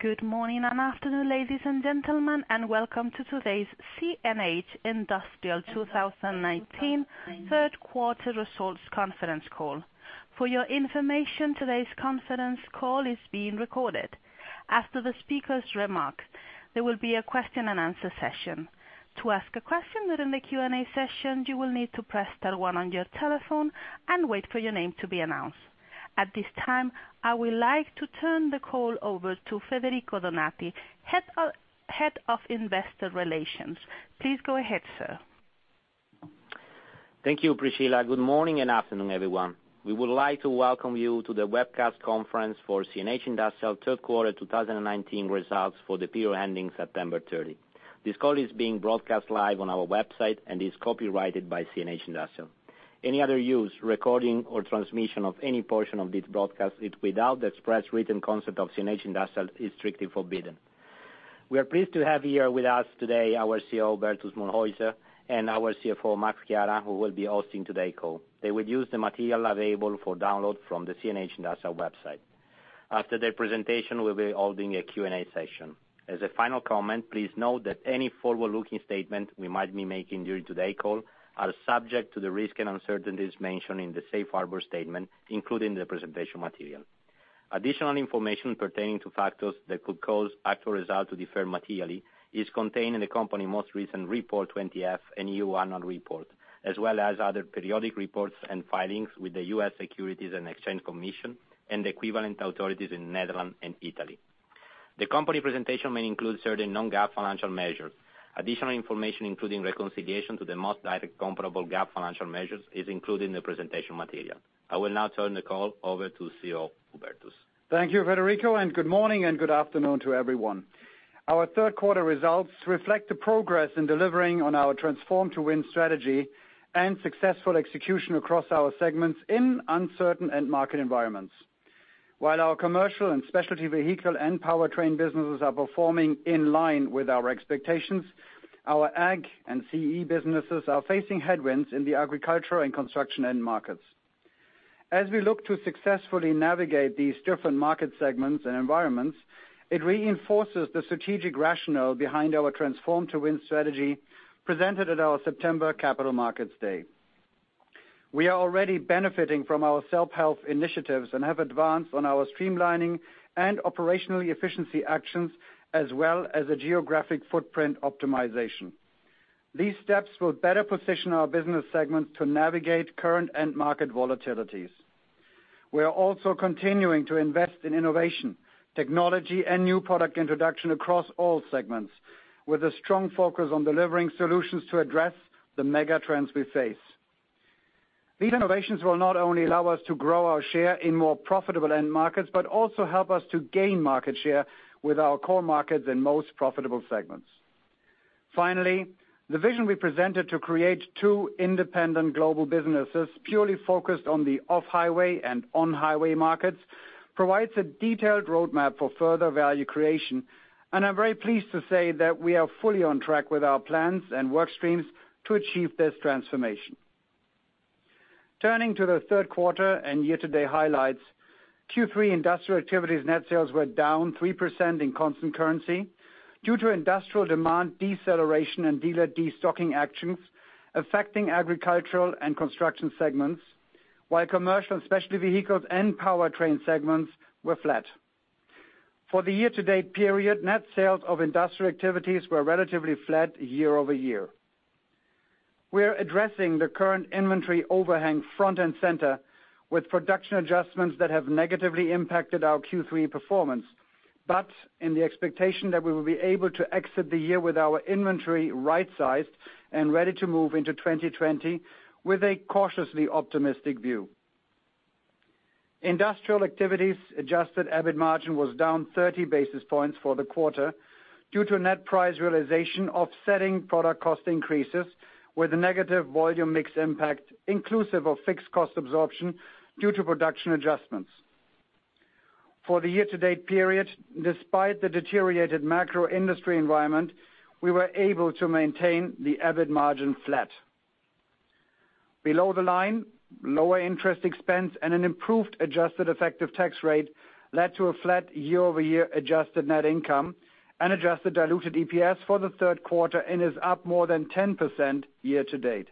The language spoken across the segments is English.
Good morning and afternoon, ladies and gentlemen, and welcome to today's CNH Industrial 2019 third quarter results conference call. For your information, today's conference call is being recorded. After the speaker's remarks, there will be a question and answer session. To ask a question during the Q&A session, you will need to press star one on your telephone and wait for your name to be announced. At this time, I would like to turn the call over to Federico Donati, Head of Investor Relations. Please go ahead, sir. Thank you, Priscilla. Good morning and afternoon, everyone. We would like to welcome you to the webcast conference for CNH Industrial third quarter 2019 results for the period ending September 30. This call is being broadcast live on our website and is copyrighted by CNH Industrial. Any other use, recording, or transmission of any portion of this broadcast is without the express written consent of CNH Industrial is strictly forbidden. We are pleased to have here with us today our CEO, Hubertus Mühlhäuser, and our CFO, Max Chiara, who will be hosting today call. They will use the material available for download from the CNH Industrial website. After their presentation, we'll be holding a Q&A session. As a final comment, please note that any forward-looking statement we might be making during today call are subject to the risk and uncertainties mentioned in the safe harbor statement, including the presentation material. Additional information pertaining to factors that could cause actual results to differ materially is contained in the company most recent Form 20-F and 10-Q report, as well as other periodic reports and filings with the U.S. Securities and Exchange Commission and the equivalent authorities in Netherlands and Italy. The company presentation may include certain non-GAAP financial measures. Additional information, including reconciliation to the most direct comparable GAAP financial measures, is included in the presentation material. I will now turn the call over to CEO, Hubertus. Thank you, Federico, good morning and good afternoon to everyone. Our third quarter results reflect the progress in delivering on our Transform 2 Win strategy and successful execution across our segments in uncertain end market environments. While our commercial and specialty vehicle and powertrain businesses are performing in line with our expectations, our Ag and CE businesses are facing headwinds in the agricultural and construction end markets. As we look to successfully navigate these different market segments and environments, it reinforces the strategic rationale behind our Transform 2 Win strategy presented at our September Capital Markets Day. We are already benefiting from our self-help initiatives and have advanced on our streamlining and operational efficiency actions, as well as a geographic footprint optimization. These steps will better position our business segments to navigate current end market volatilities. We are also continuing to invest in innovation, technology, and new product introduction across all segments with a strong focus on delivering solutions to address the mega trends we face. These innovations will not only allow us to grow our share in more profitable end markets, but also help us to gain market share with our core markets and most profitable segments. The vision we presented to create two independent global businesses purely focused on the off-highway and on-highway markets provides a detailed roadmap for further value creation, and I'm very pleased to say that we are fully on track with our plans and work streams to achieve this transformation. Turning to the third quarter and year-to-date highlights, Q3 industrial activities net sales were down 3% in constant currency due to industrial demand deceleration and dealer de-stocking actions affecting agricultural and construction segments. While commercial specialty vehicles and powertrain segments were flat. For the year-to-date period, net sales of industrial activities were relatively flat year-over-year. We are addressing the current inventory overhang front and center with production adjustments that have negatively impacted our Q3 performance. In the expectation that we will be able to exit the year with our inventory right-sized and ready to move into 2020 with a cautiously optimistic view. Industrial activities adjusted EBIT margin was down 30 basis points for the quarter due to net price realization offsetting product cost increases with a negative volume mix impact inclusive of fixed cost absorption due to production adjustments. For the year-to-date period, despite the deteriorated macro industry environment, we were able to maintain the EBIT margin flat. Below the line, lower interest expense, and an improved adjusted effective tax rate led to a flat year-over-year adjusted net income and adjusted diluted EPS for the third quarter and is up more than 10% year to date.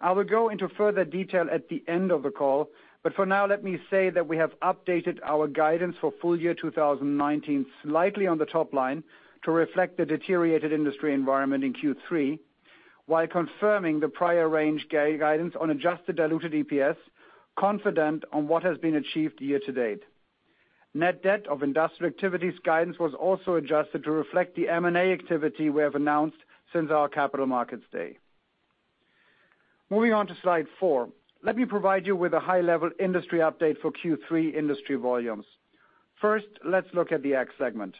I will go into further detail at the end of the call, but for now, let me say that we have updated our guidance for full year 2019 slightly on the top line to reflect the deteriorated industry environment in Q3, while confirming the prior range guidance on adjusted diluted EPS confident on what has been achieved year to date. Net debt of industrial activities guidance was also adjusted to reflect the M&A activity we have announced since our Capital Markets Day. Moving on to slide four. Let me provide you with a high-level industry update for Q3 industry volumes. First, let's look at the Ag segment.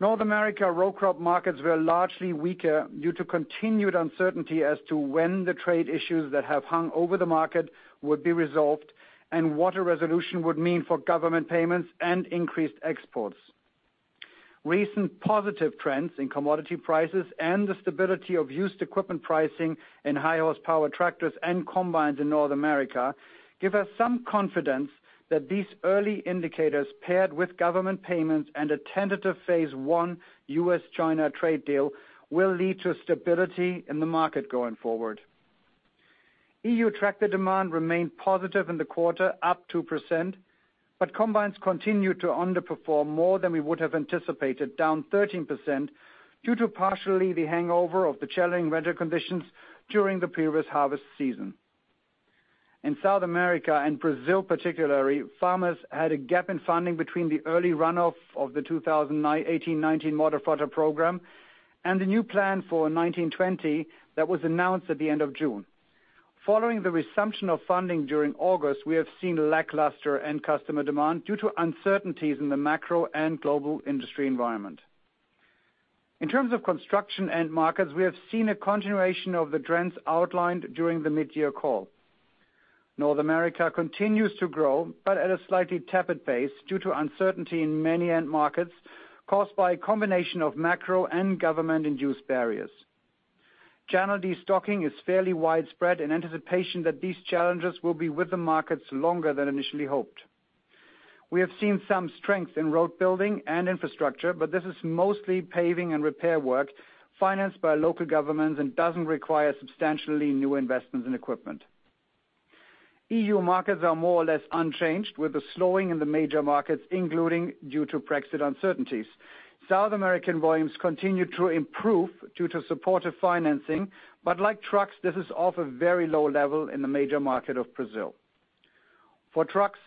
North America row crop markets were largely weaker due to continued uncertainty as to when the trade issues that have hung over the market would be resolved and what a resolution would mean for government payments and increased exports. Recent positive trends in commodity prices and the stability of used equipment pricing in high horsepower tractors and combines in North America, give us some confidence that these early indicators paired with government payments and a tentative phase one US-China trade deal will lead to stability in the market going forward. EU tractor demand remained positive in the quarter, up 2%, but combines continued to underperform more than we would have anticipated, down 13%, due to partially the hangover of the challenging weather conditions during the previous harvest season. In South America, and Brazil particularly, farmers had a gap in funding between the early runoff of the 2018/2019 model tractor program and the new plan for 2019/2020 that was announced at the end of June. Following the resumption of funding during August, we have seen lackluster end customer demand due to uncertainties in the macro and global industry environment. In terms of construction end markets, we have seen a continuation of the trends outlined during the mid-year call. North America continues to grow, at a slightly tepid pace due to uncertainty in many end markets caused by a combination of macro and government-induced barriers. General de-stocking is fairly widespread in anticipation that these challenges will be with the markets longer than initially hoped. We have seen some strength in road building and infrastructure, but this is mostly paving and repair work financed by local governments and doesn't require substantially new investments in equipment. EU markets are more or less unchanged, with a slowing in the major markets, including due to Brexit uncertainties. South American volumes continue to improve due to supportive financing, but like trucks, this is off a very low level in the major market of Brazil. For trucks,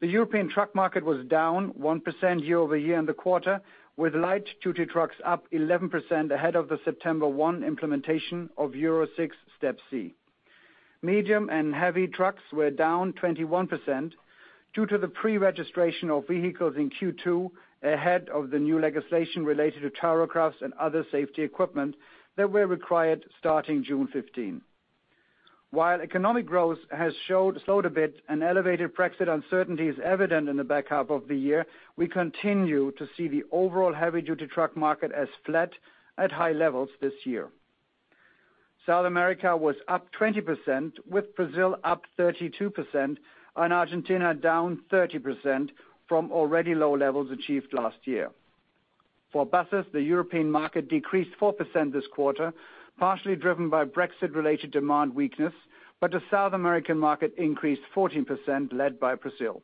the European truck market was down 1% year-over-year in the quarter, with light-duty trucks up 11% ahead of the September 1 implementation of Euro 6c. Medium and heavy-duty trucks were down 21% due to the pre-registration of vehicles in Q2 ahead of the new legislation related to tachographs and other safety equipment that were required starting June 15. While economic growth has slowed a bit and elevated Brexit uncertainty is evident in the back half of the year, we continue to see the overall heavy-duty truck market as flat at high levels this year. South America was up 20%, with Brazil up 32% and Argentina down 30% from already low levels achieved last year. For buses, the European market decreased 4% this quarter, partially driven by Brexit-related demand weakness, but the South American market increased 14%, led by Brazil.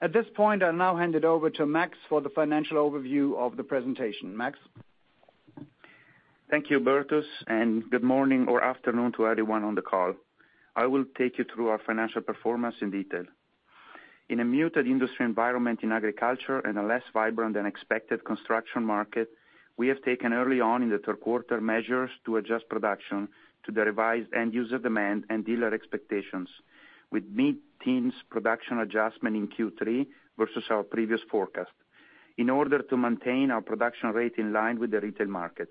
At this point, I will now hand it over to Max for the financial overview of the presentation. Max? Thank you, Bertus, and good morning or afternoon to everyone on the call. I will take you through our financial performance in detail. In a muted industry environment in agriculture and a less vibrant than expected construction market, we have taken early on in the third quarter measures to adjust production to the revised end user demand and dealer expectations with mid-teens production adjustment in Q3 versus our previous forecast in order to maintain our production rate in line with the retail market.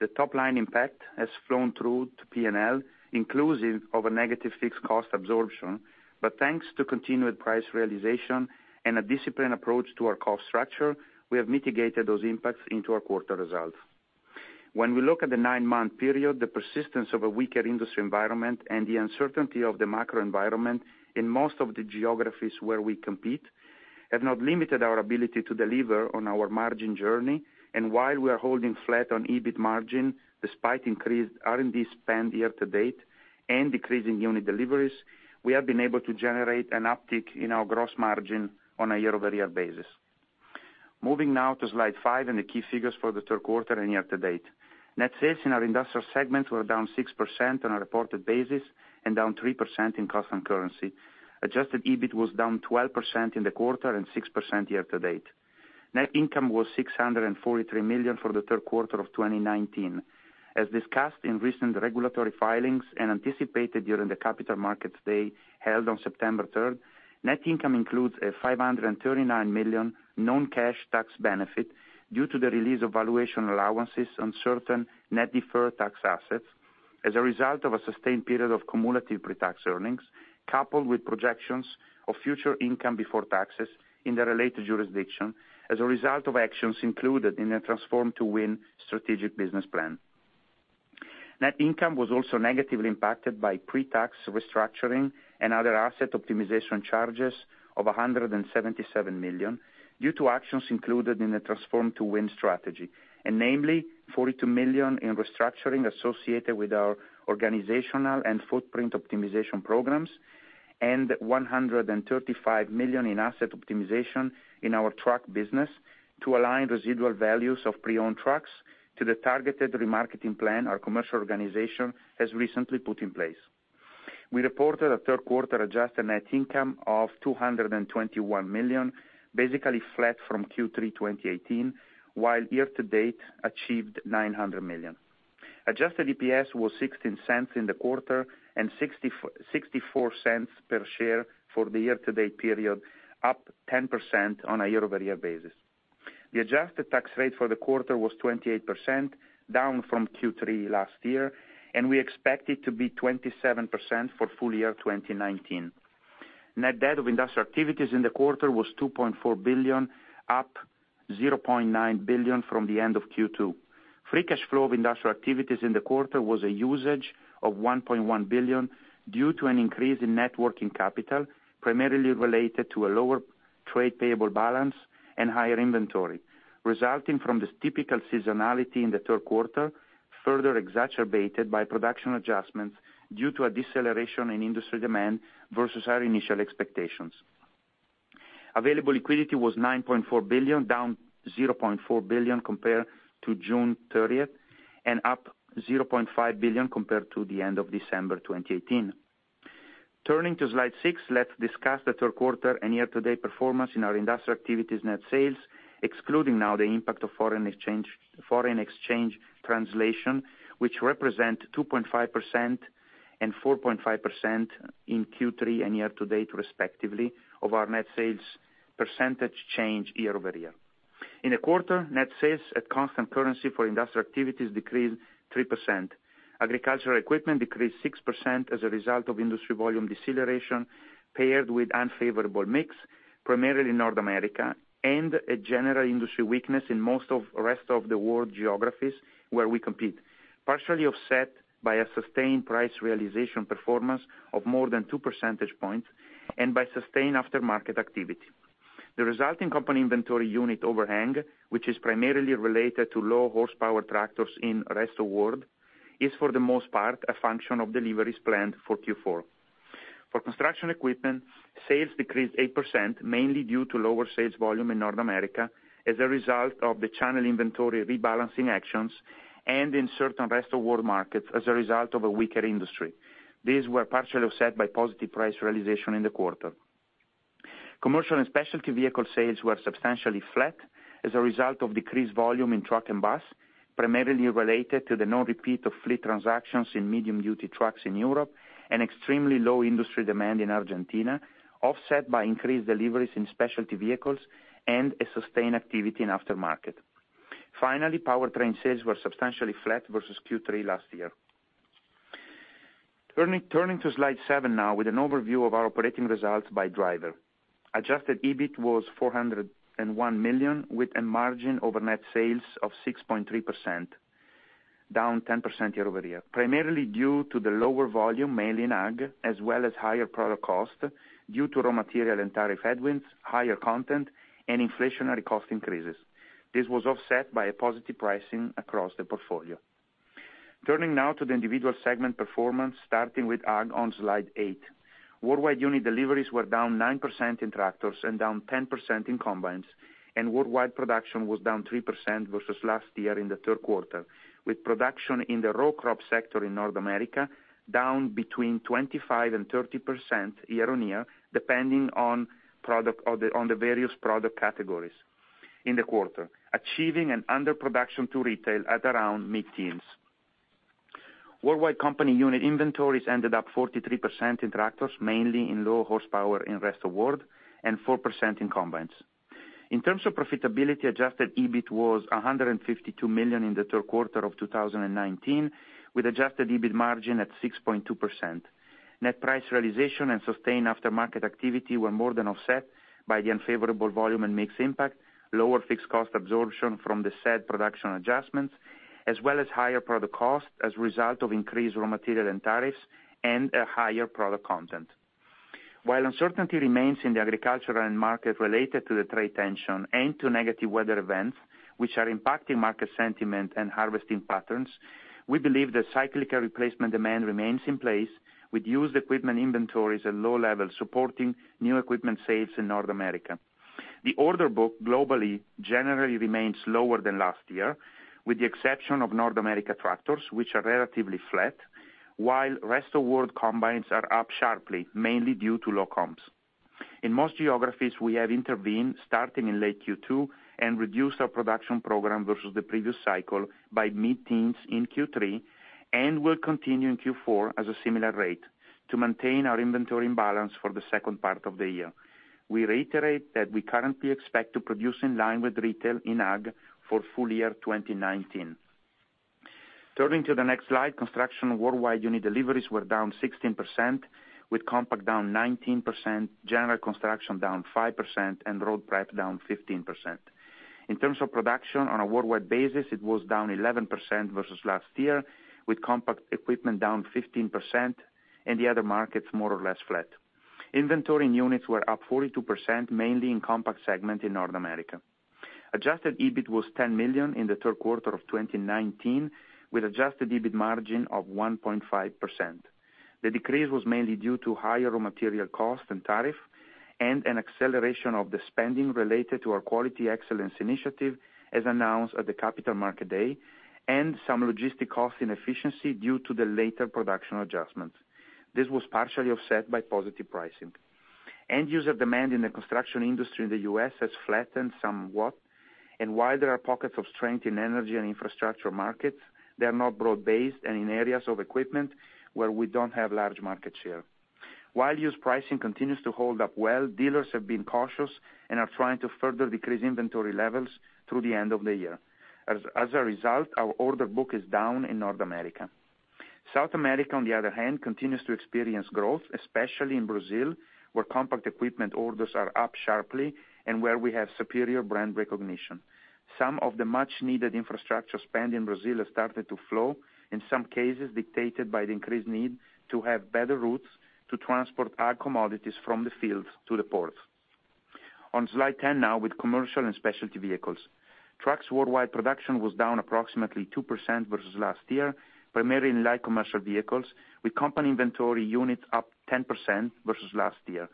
The top line impact has flown through to P&L, inclusive of a negative fixed cost absorption, but thanks to continued price realization and a disciplined approach to our cost structure, we have mitigated those impacts into our quarter results. When we look at the nine-month period, the persistence of a weaker industry environment and the uncertainty of the macro environment in most of the geographies where we compete have not limited our ability to deliver on our margin journey. While we are holding flat on EBIT margin despite increased R&D spend year to date and decreasing unit deliveries, we have been able to generate an uptick in our gross margin on a year-over-year basis. Moving now to slide 5 and the key figures for the third quarter and year to date. Net sales in our industrial segments were down 6% on a reported basis and down 3% in constant currency. Adjusted EBIT was down 12% in the quarter and 6% year to date. Net income was 643 million for the third quarter of 2019. As discussed in recent regulatory filings and anticipated during the Capital Markets Day held on September 3rd, net income includes a $539 million non-cash tax benefit due to the release of valuation allowances on certain net deferred tax assets as a result of a sustained period of cumulative pre-tax earnings, coupled with projections of future income before taxes in the related jurisdiction as a result of actions included in the Transform 2 Win strategic business plan. Net income was also negatively impacted by pre-tax restructuring and other asset optimization charges of $177 million due to actions included in the Transform 2 Win strategy, and namely $42 million in restructuring associated with our organizational and footprint optimization programs, and $135 million in asset optimization in our truck business to align residual values of pre-owned trucks to the targeted remarketing plan our commercial organization has recently put in place. We reported a third quarter adjusted net income of $221 million, basically flat from Q3 2018, while year-to-date achieved $900 million. Adjusted EPS was $0.16 in the quarter and $0.64 per share for the year-to-date period, up 10% on a year-over-year basis. The adjusted tax rate for the quarter was 28%, down from Q3 last year, and we expect it to be 27% for full year 2019. Net debt of Industrial Activities in the quarter was $2.4 billion, up $0.9 billion from the end of Q2. Free cash flow of Industrial Activities in the quarter was a usage of 1.1 billion due to an increase in net working capital, primarily related to a lower trade payable balance and higher inventory, resulting from the typical seasonality in the third quarter, further exacerbated by production adjustments due to a deceleration in industry demand versus our initial expectations. Available liquidity was 9.4 billion, down 0.4 billion compared to June 30th, and up 0.5 billion compared to the end of December 2018. Turning to slide six, let's discuss the third quarter and year-to-date performance in our Industrial Activities net sales, excluding now the impact of foreign exchange translation, which represent 2.5% and 4.5% in Q3 and year-to-date respectively of our net sales percentage change year-over-year. In the quarter, net sales at constant currency for Industrial Activities decreased 3%. Agricultural equipment decreased 6% as a result of industry volume deceleration paired with unfavorable mix, primarily in North America, and a general industry weakness in most of rest of the world geographies where we compete, partially offset by a sustained price realization performance of more than two percentage points and by sustained aftermarket activity. The resulting company inventory unit overhang, which is primarily related to low horsepower tractors in rest of world, is for the most part a function of deliveries planned for Q4. For construction equipment, sales decreased 8%, mainly due to lower sales volume in North America as a result of the channel inventory rebalancing actions and in certain rest of world markets as a result of a weaker industry. These were partially offset by positive price realization in the quarter. Commercial and specialty vehicle sales were substantially flat as a result of decreased volume in truck and bus, primarily related to the non-repeat of fleet transactions in medium-duty trucks in Europe and extremely low industry demand in Argentina, offset by increased deliveries in specialty vehicles and a sustained activity in aftermarket. Finally, powertrain sales were substantially flat versus Q3 last year. Turning to slide seven now with an overview of our operating results by driver. Adjusted EBIT was 401 million, with a margin over net sales of 6.3%, down 10% year-over-year, primarily due to the lower volume mainly in AG, as well as higher product cost due to raw material and tariff headwinds, higher content and inflationary cost increases. This was offset by a positive pricing across the portfolio. Turning now to the individual segment performance, starting with AG on slide eight. Worldwide unit deliveries were down 9% in tractors and down 10% in combines, and worldwide production was down 3% versus last year in the third quarter, with production in the raw crop sector in North America down between 25% and 30% year on year, depending on the various product categories in the quarter, achieving an underproduction to retail at around mid-teens. Worldwide company unit inventories ended up 43% in tractors, mainly in low horsepower in rest of world and 4% in combines. In terms of profitability, adjusted EBIT was 152 million in the third quarter of 2019, with adjusted EBIT margin at 6.2%. Net price realization and sustained aftermarket activity were more than offset by the unfavorable volume and mix impact, lower fixed cost absorption from the said production adjustments, as well as higher product cost as a result of increased raw material and tariffs and a higher product content. While uncertainty remains in the agricultural end market related to the trade tension and to negative weather events, which are impacting market sentiment and harvesting patterns, we believe the cyclical replacement demand remains in place with used equipment inventories at low levels supporting new equipment sales in North America. The order book globally generally remains lower than last year, with the exception of North America tractors, which are relatively flat, while rest of world combines are up sharply, mainly due to low comps. In most geographies, we have intervened starting in late Q2 and reduced our production program versus the previous cycle by mid-teens in Q3, and will continue in Q4 as a similar rate to maintain our inventory imbalance for the second part of the year. We reiterate that we currently expect to produce in line with retail in AG for full year 2019. Turning to the next slide, construction worldwide unit deliveries were down 16%, with compact down 19%, general construction down 5%, and road prep down 15%. In terms of production on a worldwide basis, it was down 11% versus last year, with compact equipment down 15% and the other markets more or less flat. Inventory in units were up 42%, mainly in compact segment in North America. Adjusted EBIT was $10 million in the third quarter of 2019, with adjusted EBIT margin of 1.5%. The decrease was mainly due to higher raw material cost and tariff and an acceleration of the spending related to our quality excellence initiative as announced at the Capital Markets Day and some logistic cost inefficiency due to the later production adjustments. This was partially offset by positive pricing. End user demand in the construction industry in the U.S. has flattened somewhat, and while there are pockets of strength in energy and infrastructure markets, they are not broad-based and in areas of equipment where we don't have large market share. While used pricing continues to hold up well, dealers have been cautious and are trying to further decrease inventory levels through the end of the year. As a result, our order book is down in North America. South America, on the other hand, continues to experience growth, especially in Brazil, where compact equipment orders are up sharply and where we have superior brand recognition. Some of the much-needed infrastructure spend in Brazil has started to flow, in some cases dictated by the increased need to have better routes to transport our commodities from the fields to the ports. On slide 10 now with commercial and specialty vehicles. Trucks worldwide production was down approximately 2% versus last year, primarily in light commercial vehicles, with company inventory units up 10% versus last year.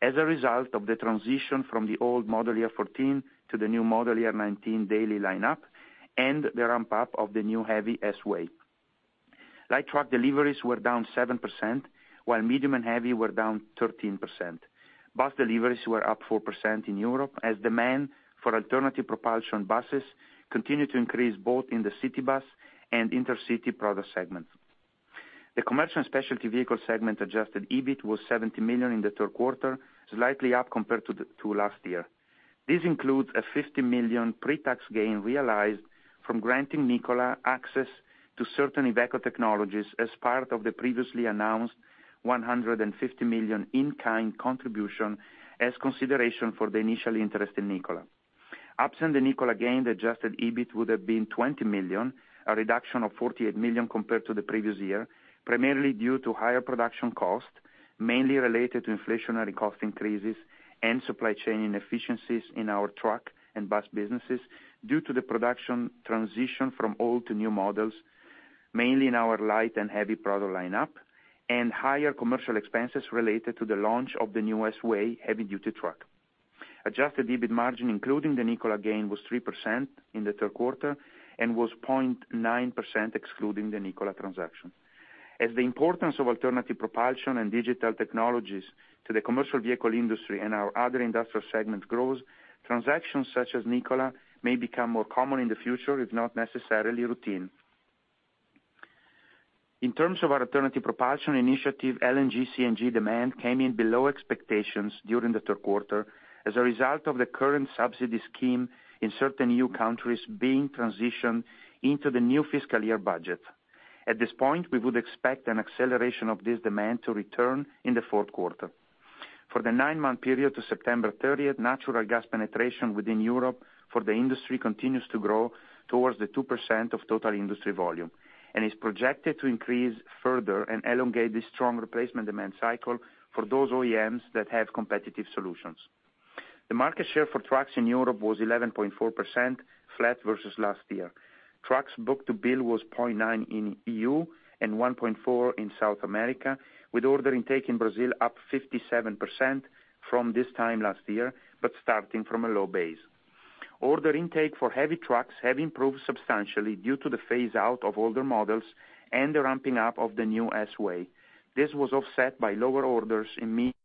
As a result of the transition from the old model year 14 to the new model year 19 Daily line-up, and the ramp-up of the new heavy S-Way. Light truck deliveries were down 7%, while medium and heavy were down 13%. Bus deliveries were up 4% in Europe, as demand for alternative propulsion buses continued to increase both in the city bus and intercity product segments. The commercial and specialty vehicle segment adjusted EBIT was 70 million in the third quarter, slightly up compared to last year. This includes a 50 million pre-tax gain realized from granting Nikola access to certain IVECO technologies as part of the previously announced 150 million in-kind contribution as consideration for the initial interest in Nikola. Absent the Nikola gain, the adjusted EBIT would have been $20 million, a reduction of $48 million compared to the previous year, primarily due to higher production costs, mainly related to inflationary cost increases and supply chain inefficiencies in our truck and bus businesses due to the production transition from old to new models, mainly in our light and heavy product line-up, and higher commercial expenses related to the launch of the new S-Way heavy-duty truck. Adjusted EBIT margin, including the Nikola gain, was 3% in the third quarter and was 0.9% excluding the Nikola transaction. As the importance of alternative propulsion and digital technologies to the commercial vehicle industry and our other industrial segment grows, transactions such as Nikola may become more common in the future, if not necessarily routine. In terms of our alternative propulsion initiative, LNG/CNG demand came in below expectations during the third quarter as a result of the current subsidy scheme in certain new countries being transitioned into the new fiscal year budget. At this point, we would expect an acceleration of this demand to return in the fourth quarter. For the 9-month period to September 30th, natural gas penetration within Europe for the industry continues to grow towards the 2% of total industry volume and is projected to increase further and elongate this strong replacement demand cycle for those OEMs that have competitive solutions. The market share for trucks in Europe was 11.4%, flat versus last year. Trucks book-to-bill was 0.9 in EU and 1.4 in South America, with order intake in Brazil up 57% from this time last year, but starting from a low base. Order intake for heavy trucks have improved substantially due to the phase-out of older models and the ramping up of the new S-Way. This was offset by lower orders in. Please continue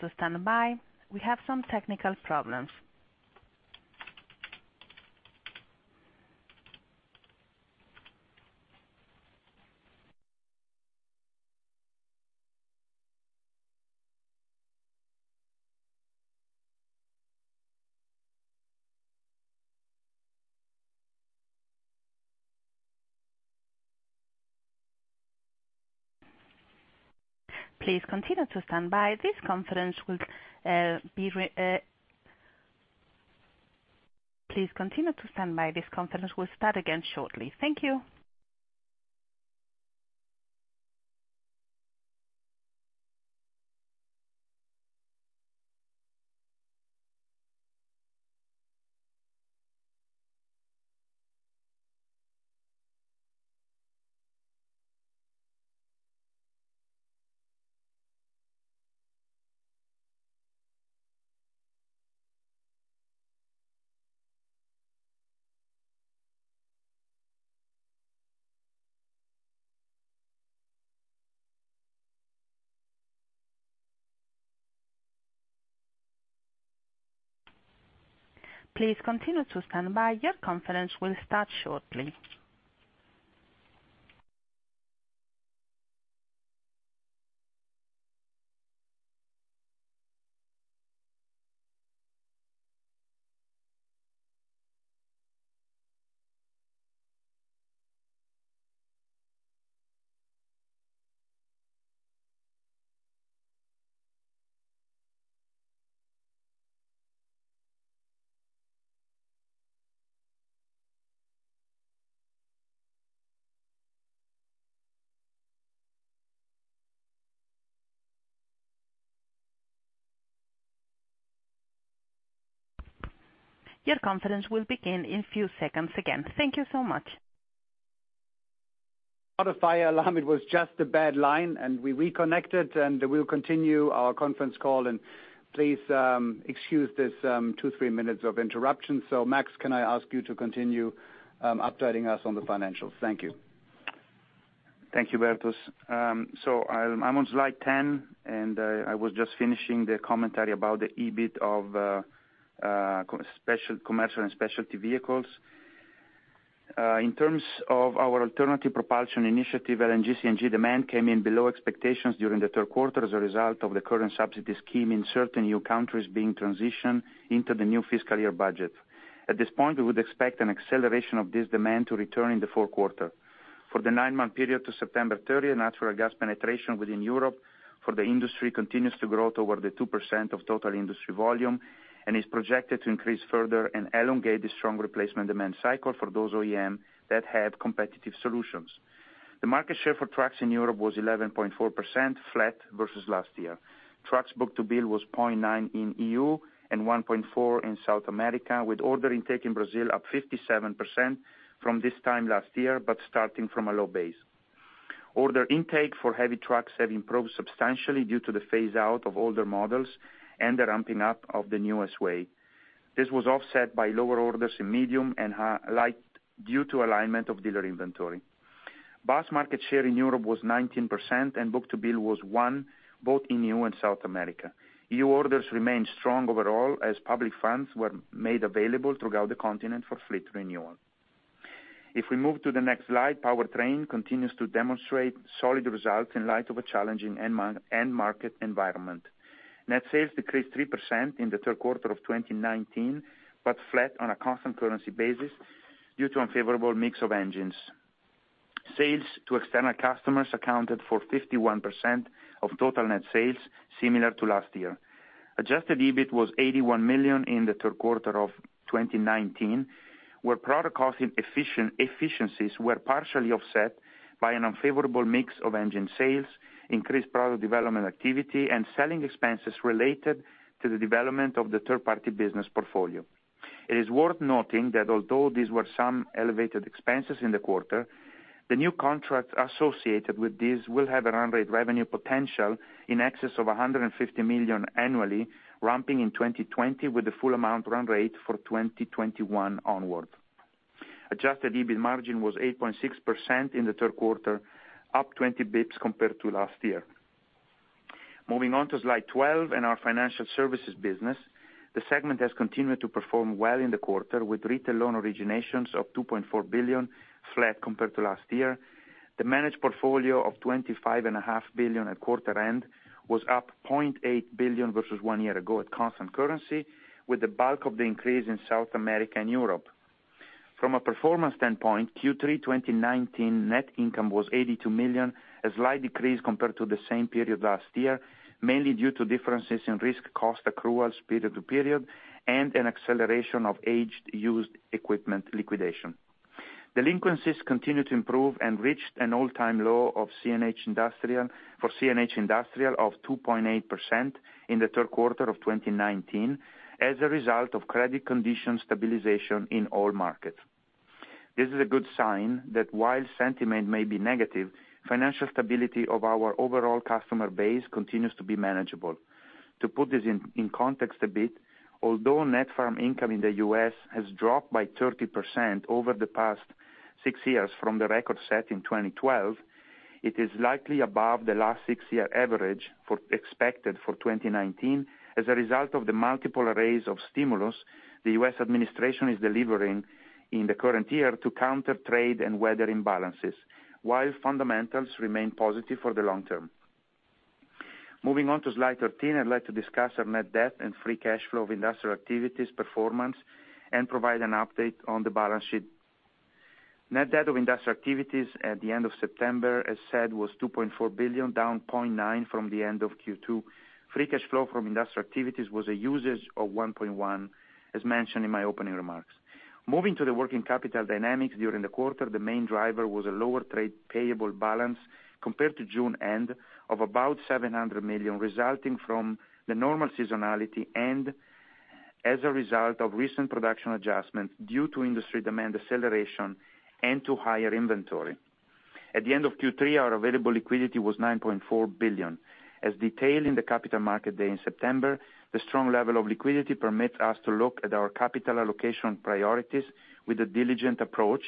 to stand by. We have some technical problems. Please continue to stand by. This conference will start again shortly. Thank you. Please continue to stand by. Your conference will start shortly. Your conference will begin in few seconds again. Thank you so much. Not a fire alarm. It was just a bad line, and we reconnected, and we'll continue our conference call, and please excuse this two, three minutes of interruption. Max, can I ask you to continue updating us on the financials? Thank you. Thank you, Bertus. I'm on slide 10, and I was just finishing the commentary about the EBIT of commercial and specialty vehicles. In terms of our alternative propulsion initiative, LNG, CNG demand came in below expectations during the third quarter as a result of the current subsidy scheme in certain new countries being transitioned into the new fiscal year budget. At this point, we would expect an acceleration of this demand to return in the fourth quarter. For the nine-month period to September 30, natural gas penetration within Europe for the industry continues to grow to over the 2% of total industry volume and is projected to increase further and elongate the strong replacement demand cycle for those OEM that have competitive solutions. The market share for trucks in Europe was 11.4% flat versus last year. Trucks book-to-bill was 0.9 in EU and 1.4 in South America, with order intake in Brazil up 57% from this time last year, but starting from a low base. Order intake for heavy trucks have improved substantially due to the phase-out of older models and the ramping up of the newest S-Way. This was offset by lower orders in medium and light due to alignment of dealer inventory. Bus market share in Europe was 19% and book-to-bill was one, both in EU and South America. EU orders remained strong overall as public funds were made available throughout the continent for fleet renewal. If we move to the next slide, powertrain continues to demonstrate solid results in light of a challenging end market environment. Net sales decreased 3% in the third quarter of 2019, but flat on a constant currency basis due to unfavorable mix of engines. Sales to external customers accounted for 51% of total net sales similar to last year. Adjusted EBIT was $81 million in the third quarter of 2019, where product cost efficiencies were partially offset by an unfavorable mix of engine sales, increased product development activity, and selling expenses related to the development of the third-party business portfolio. It is worth noting that although these were some elevated expenses in the quarter, the new contracts associated with this will have an run rate revenue potential in excess of $150 million annually, ramping in 2020 with the full amount run rate for 2021 onward. Adjusted EBIT margin was 8.6% in the third quarter, up 20 basis points compared to last year. Moving on to slide 12 and our financial services business. The segment has continued to perform well in the quarter with retail loan originations of $2.4 billion flat compared to last year. The managed portfolio of $25.5 billion at quarter end was up $0.8 billion versus one year ago at constant currency, with the bulk of the increase in South America and Europe. From a performance standpoint, Q3 2019 net income was 82 million, a slight decrease compared to the same period last year, mainly due to differences in risk cost accruals period to period, and an acceleration of aged used equipment liquidation. Delinquencies continue to improve and reached an all-time low for CNH Industrial of 2.8% in the third quarter of 2019 as a result of credit condition stabilization in all markets. This is a good sign that while sentiment may be negative, financial stability of our overall customer base continues to be manageable. To put this in context a bit, although net farm income in the U.S. has dropped by 30% over the past six years from the record set in 2012, it is likely above the last six-year average expected for 2019 as a result of the multiple arrays of stimulus the U.S. administration is delivering in the current year to counter trade and weather imbalances, while fundamentals remain positive for the long term. Moving on to slide 13, I'd like to discuss our net debt and free cash flow of industrial activities performance and provide an update on the balance sheet. Net debt of industrial activities at the end of September, as said, was 2.4 billion down 0.9 billion from the end of Q2. Free cash flow from industrial activities was a usage of 1.1 billion as mentioned in my opening remarks. Moving to the working capital dynamics during the quarter, the main driver was a lower trade payable balance compared to June end of about $700 million, resulting from the normal seasonality and as a result of recent production adjustments due to industry demand deceleration and to higher inventory. At the end of Q3, our available liquidity was $9.4 billion. As detailed in the Capital Markets Day in September, the strong level of liquidity permits us to look at our capital allocation priorities with a diligent approach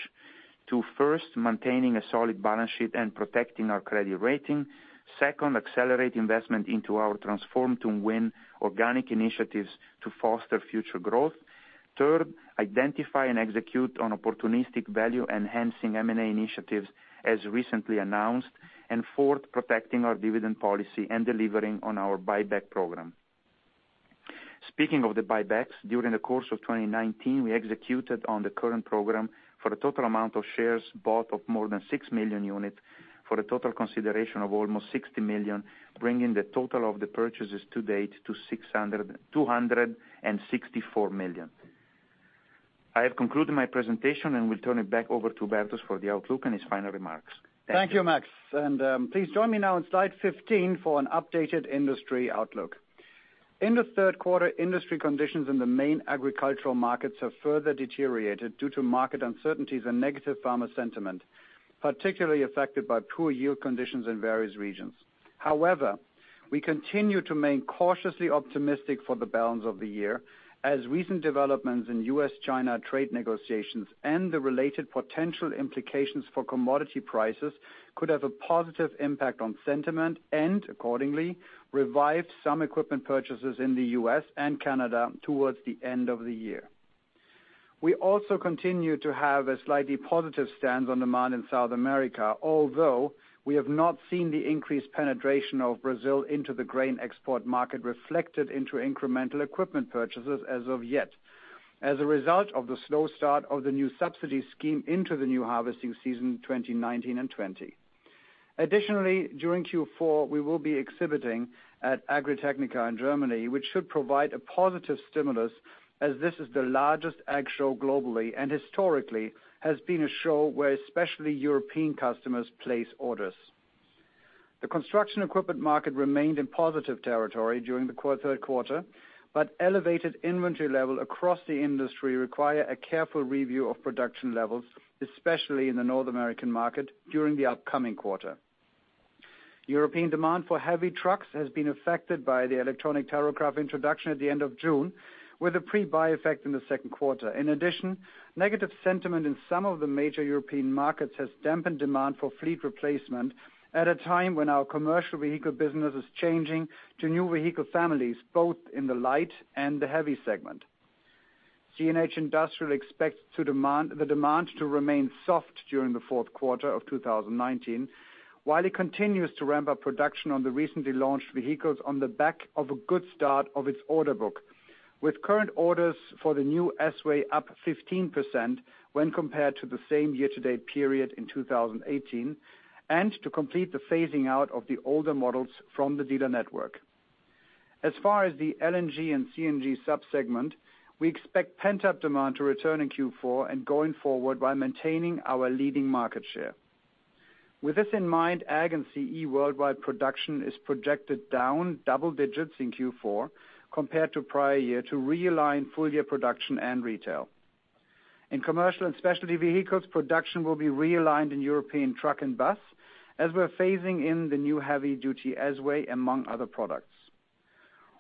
to first, maintaining a solid balance sheet and protecting our credit rating. Second, accelerate investment into our Transform 2 Win organic initiatives to foster future growth. Third, identify and execute on opportunistic value-enhancing M&A initiatives as recently announced. Fourth, protecting our dividend policy and delivering on our buyback program. Speaking of the buybacks, during the course of 2019, we executed on the current program for a total amount of shares bought of more than $6 million units for a total consideration of almost $60 million, bringing the total of the purchases to date to $264 million. I have concluded my presentation and will turn it back over to Bertus for the outlook and his final remarks. Thank you. Thank you, Max. Please join me now on slide 15 for an updated industry outlook. In the third quarter, industry conditions in the main agricultural markets have further deteriorated due to market uncertainties and negative farmer sentiment, particularly affected by poor yield conditions in various regions. However, we continue to remain cautiously optimistic for the balance of the year, as recent developments in US-China trade negotiations and the related potential implications for commodity prices could have a positive impact on sentiment and accordingly revive some equipment purchases in the U.S. and Canada towards the end of the year. We also continue to have a slightly positive stance on demand in South America, although we have not seen the increased penetration of Brazil into the grain export market reflected into incremental equipment purchases as of yet, as a result of the slow start of the new subsidy scheme into the new harvesting season 2019 and 2020. Additionally, during Q4, we will be exhibiting at Agritechnica in Germany, which should provide a positive stimulus as this is the largest ag show globally, and historically has been a show where especially European customers place orders. The construction equipment market remained in positive territory during the third quarter, but elevated inventory level across the industry require a careful review of production levels, especially in the North American market during the upcoming quarter. European demand for heavy trucks has been affected by the electronic tachograph introduction at the end of June with a pre-buy effect in the second quarter. In addition, negative sentiment in some of the major European markets has dampened demand for fleet replacement at a time when our commercial vehicle business is changing to new vehicle families, both in the light and the heavy segment. CNH Industrial expects the demand to remain soft during the fourth quarter of 2019, while it continues to ramp up production on the recently launched vehicles on the back of a good start of its order book, with current orders for the new S-Way up 15% when compared to the same year-to-date period in 2018, and to complete the phasing out of the older models from the dealer network. As far as the LNG and CNG sub-segment, we expect pent-up demand to return in Q4 and going forward by maintaining our leading market share. With this in mind, ag and CE worldwide production is projected down double digits in Q4 compared to prior year to realign full-year production and retail. In commercial and specialty vehicles, production will be realigned in European truck and bus as we're phasing in the new heavy-duty S-Way, among other products.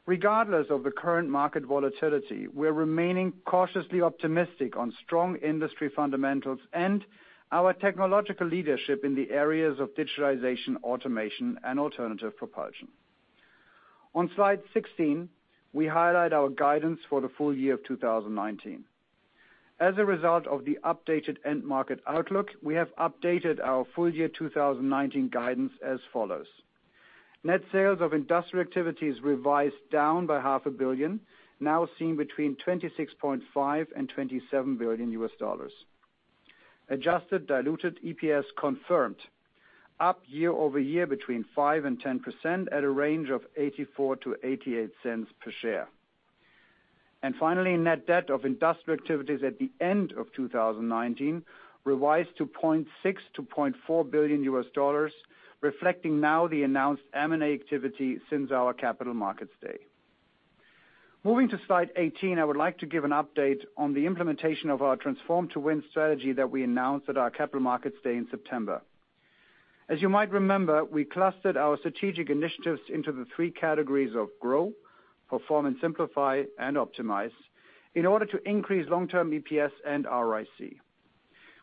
Regardless of the current market volatility, we are remaining cautiously optimistic on strong industry fundamentals and our technological leadership in the areas of digitalization, automation, and alternative propulsion. On slide 16, we highlight our guidance for the full year of 2019. As a result of the updated end market outlook, we have updated our full-year 2019 guidance as follows. Net sales of Industrial Activities revised down by half a billion, now seen between $26.5 billion and $27 billion. Adjusted diluted EPS confirmed up year-over-year between 5% and 10% at a range of $0.84-$0.88 per share. Finally, net debt of Industrial Activities at the end of 2019 revised to $0.6 billion-$0.4 billion, reflecting now the announced M&A activity since our Capital Markets Day. Moving to slide 18, I would like to give an update on the implementation of our Transform 2 Win strategy that we announced at our Capital Markets Day in September. As you might remember, we clustered our strategic initiatives into the three categories of grow, perform and simplify, and optimize in order to increase long-term EPS and ROIC.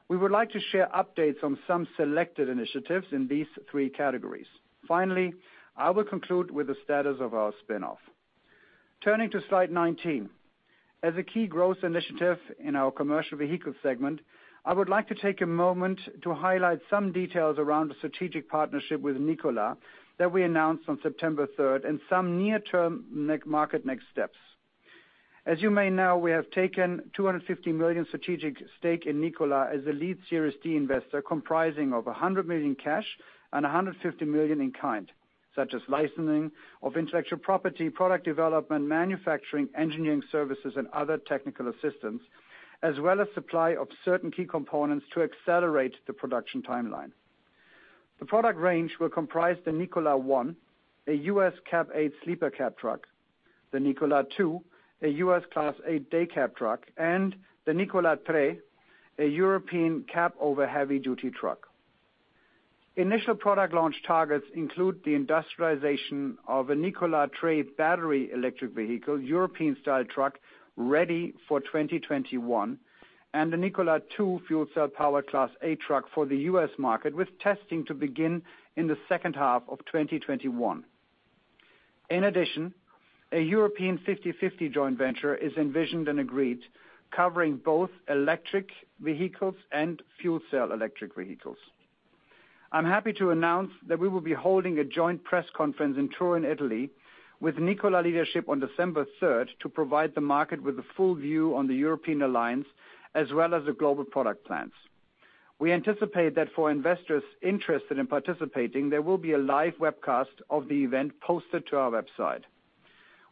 We would like to share updates on some selected initiatives in these three categories. Finally, I will conclude with the status of our spin-off. Turning to slide 19. As a key growth initiative in our Commercial Vehicles segment, I would like to take a moment to highlight some details around the strategic partnership with Nikola that we announced on September 3rd and some near-term market next steps. As you may know, we have taken 250 million strategic stake in Nikola as a lead Series D investor, comprising of 100 million cash and 150 million in kind, such as licensing of intellectual property, product development, manufacturing, engineering services, and other technical assistance, as well as supply of certain key components to accelerate the production timeline. The product range will comprise the Nikola One, a U.S. Class 8 sleeper cab truck, the Nikola Two, a U.S. Class 8 day cab truck, and the Nikola Tre, a European cab-over heavy-duty truck. Initial product launch targets include the industrialization of a Nikola Tre battery electric vehicle, European-style truck ready for 2021, and the Nikola Two fuel cell-powered Class 8 truck for the U.S. market, with testing to begin in the second half of 2021. In addition, a European 50/50 joint venture is envisioned and agreed, covering both electric vehicles and fuel cell electric vehicles. I am happy to announce that we will be holding a joint press conference in Turin, Italy, with Nikola leadership on December 3rd to provide the market with a full view on the European alliance, as well as the global product plans. We anticipate that for investors interested in participating, there will be a live webcast of the event posted to our website.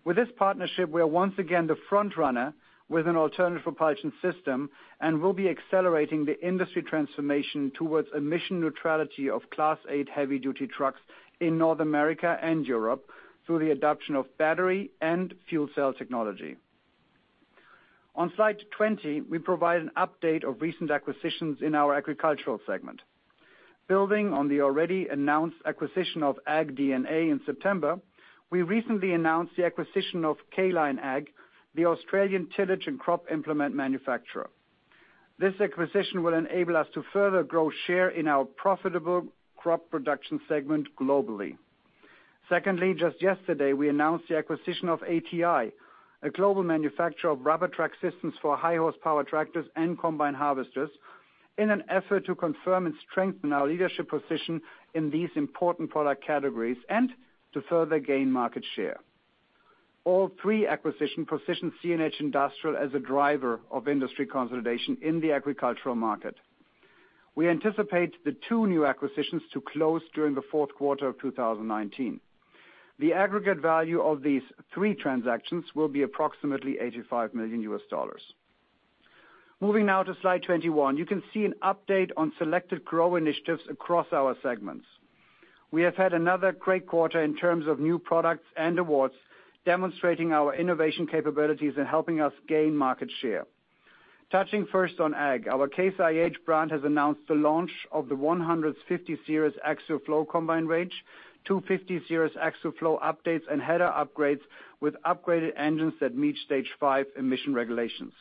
With this partnership, we are once again the front-runner with an alternative propulsion system and will be accelerating the industry transformation towards emission neutrality of Class 8 heavy-duty trucks in North America and Europe through the adoption of battery and fuel cell technology. On slide 20, we provide an update of recent acquisitions in our Agricultural segment. Building on the already announced acquisition of AgDNA in September, we recently announced the acquisition of K-Line Ag, the Australian tillage and crop implement manufacturer. This acquisition will enable us to further grow share in our profitable crop production segment globally. Secondly, just yesterday, we announced the acquisition of ATI, a global manufacturer of rubber track systems for high horsepower tractors and combine harvesters, in an effort to confirm and strengthen our leadership position in these important product categories, and to further gain market share. All three acquisition positions CNH Industrial as a driver of industry consolidation in the agricultural market. We anticipate the two new acquisitions to close during the fourth quarter of 2019. The aggregate value of these three transactions will be approximately $85 million. Moving now to slide 21. You can see an update on selected grow initiatives across our segments. We have had another great quarter in terms of new products and awards, demonstrating our innovation capabilities and helping us gain market share. Touching first on Ag. Our Case IH brand has announced the launch of the 150 series Axial-Flow combine range, 250 series Axial-Flow updates, and header upgrades with upgraded engines that meet Stage V emission regulations.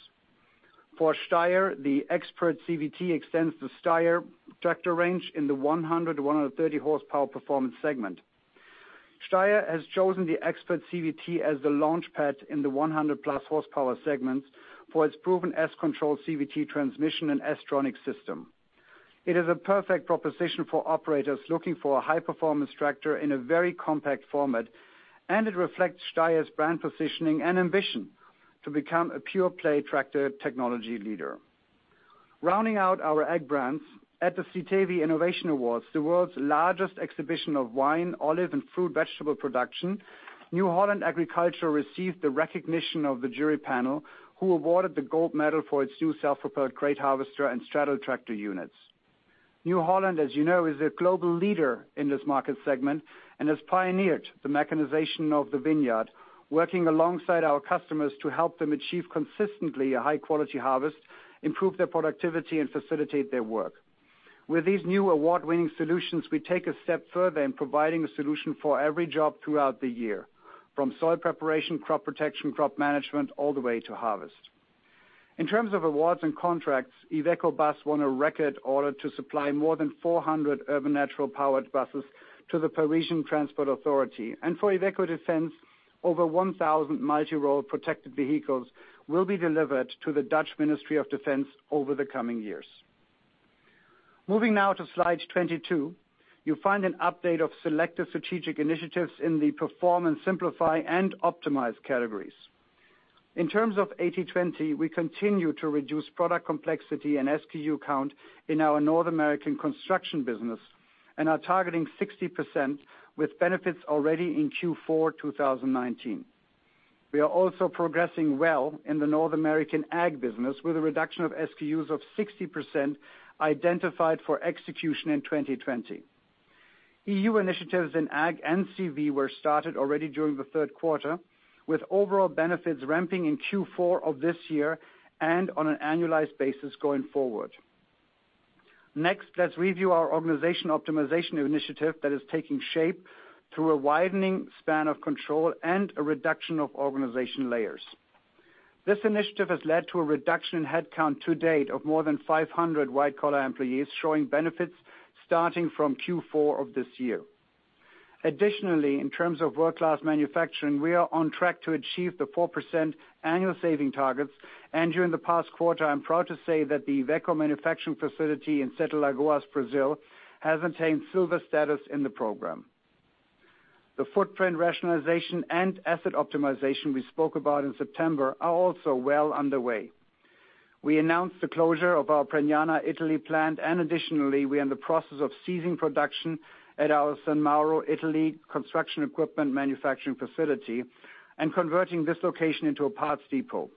For STEYR, the Expert CVT extends the STEYR tractor range in the 100 to 130 horsepower performance segment. STEYR has chosen the Expert CVT as the launch pad in the 100-plus horsepower segments for its proven S-Control CVT transmission and S-TRONIC system. It is a perfect proposition for operators looking for a high-performance tractor in a very compact format, and it reflects STEYR's brand positioning and ambition to become a pure play tractor technology leader. Rounding out our Ag brands at the SITEVI Innovation Awards, the world's largest exhibition of wine, olive, and fruit vegetable production, New Holland Agriculture received the recognition of the jury panel, who awarded the gold medal for its new self-propelled grape harvester and straddle tractor units. New Holland, as you know, is a global leader in this market segment and has pioneered the mechanization of the vineyard, working alongside our customers to help them achieve consistently a high-quality harvest, improve their productivity, and facilitate their work. With these new award-winning solutions, we take a step further in providing a solution for every job throughout the year, from soil preparation, crop protection, crop management, all the way to harvest. In terms of awards and contracts, IVECO BUS won a record order to supply more than 400 urban natural powered buses to the Parisian Transport Authority. For Iveco Defense, over 1,000 multi-role protected vehicles will be delivered to the Dutch Ministry of Defense over the coming years. Moving now to slide 22. You'll find an update of selective strategic initiatives in the perform and simplify and optimize categories. In terms of 80/20, we continue to reduce product complexity and SKU count in our North American construction business and are targeting 60% with benefits already in Q4 2019. We are also progressing well in the North American Ag business with a reduction of SKUs of 60% identified for execution in 2020. EU initiatives in Ag and CV were started already during the third quarter, with overall benefits ramping in Q4 of this year and on an annualized basis going forward. Next, let's review our organization optimization initiative that is taking shape through a widening span of control and a reduction of organization layers. This initiative has led to a reduction in headcount to date of more than 500 white-collar employees, showing benefits starting from Q4 of this year. In terms of world-class manufacturing, we are on track to achieve the 4% annual saving targets. During the past quarter, I'm proud to say that the IVECO manufacturing facility in Sete Lagoas, Brazil, has attained silver status in the program. The footprint rationalization and asset optimization we spoke about in September are also well underway. We announced the closure of our Pianella, Italy, plant, and additionally, we are in the process of ceasing production at our San Mauro, Italy, construction equipment manufacturing facility and converting this location into a parts depot.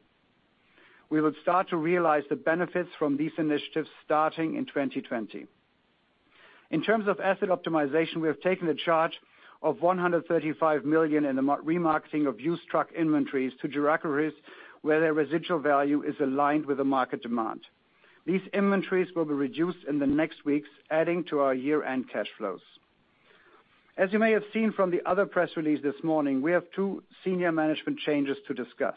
We will start to realize the benefits from these initiatives starting in 2020. In terms of asset optimization, we have taken the charge of 135 million in the remarketing of used truck inventories to Sub-Saharan Africa where their residual value is aligned with the market demand. These inventories will be reduced in the next weeks, adding to our year-end cash flows. As you may have seen from the other press release this morning, we have two senior management changes to discuss.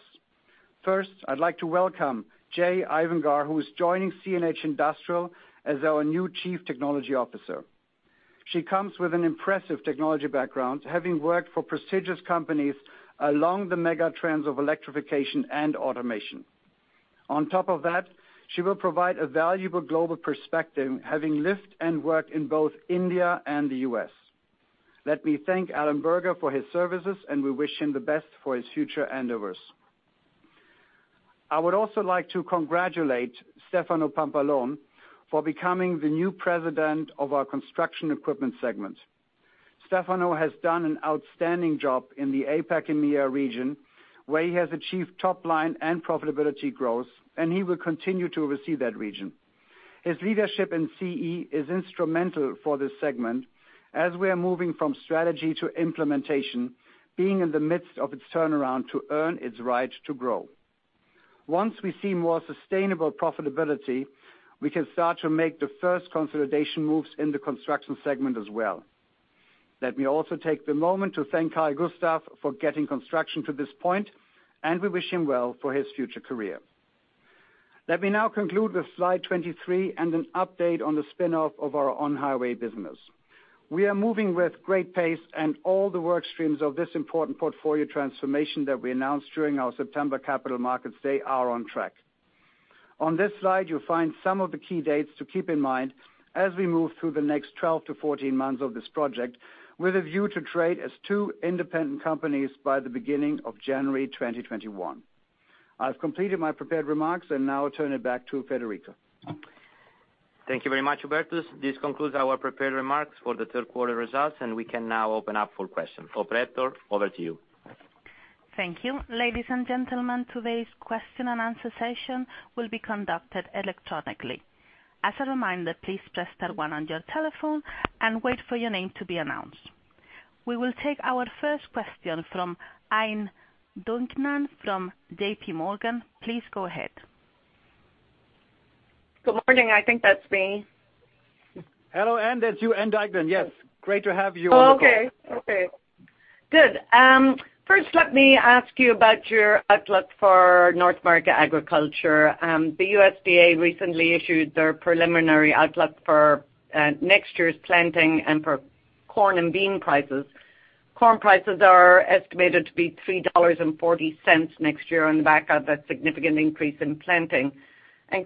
First, I'd like to welcome Jay Iyengar, who is joining CNH Industrial as our new Chief Technology Officer. She comes with an impressive technology background, having worked for prestigious companies along the mega trends of electrification and automation. On top of that, she will provide a valuable global perspective, having lived and worked in both India and the U.S. Let me thank Alan Berger for his services, and we wish him the best for his future endeavors. I would also like to congratulate Stefano Pampalone for becoming the new President of our construction equipment segment. Stefano has done an outstanding job in the APAC and MEA region, where he has achieved top-line and profitability growth, and he will continue to oversee that region. His leadership in CE is instrumental for this segment as we are moving from strategy to implementation, being in the midst of its turnaround to earn its right to grow. Once we see more sustainable profitability, we can start to make the first consolidation moves in the construction segment as well. Let me also take the moment to thank Carl Gustaf for getting construction to this point, and we wish him well for his future career. Let me now conclude with slide 23 and an update on the spin-off of our on-highway business. We are moving with great pace and all the work streams of this important portfolio transformation that we announced during our September Capital Markets Day are on track. On this slide, you'll find some of the key dates to keep in mind as we move through the next 12 to 14 months of this project, with a view to trade as two independent companies by the beginning of January 2021. I've completed my prepared remarks and now I turn it back to Federico. Thank you very much, Hubertus. This concludes our prepared remarks for the third quarter results, and we can now open up for questions. Operator, over to you. Thank you. Ladies and gentlemen, today's question and answer session will be conducted electronically. As a reminder, please press star one on your telephone and wait for your name to be announced. We will take our first question from Ann Duignan from J.P. Morgan. Please go ahead. Good morning. I think that's me. Hello, Ann. That's you, Ann Duignan, yes. Great to have you on the call. Okay. Good. First, let me ask you about your outlook for North America Agriculture. The USDA recently issued their preliminary outlook for next year's planting and for corn and bean prices. Corn prices are estimated to be $3.40 next year on the back of a significant increase in planting.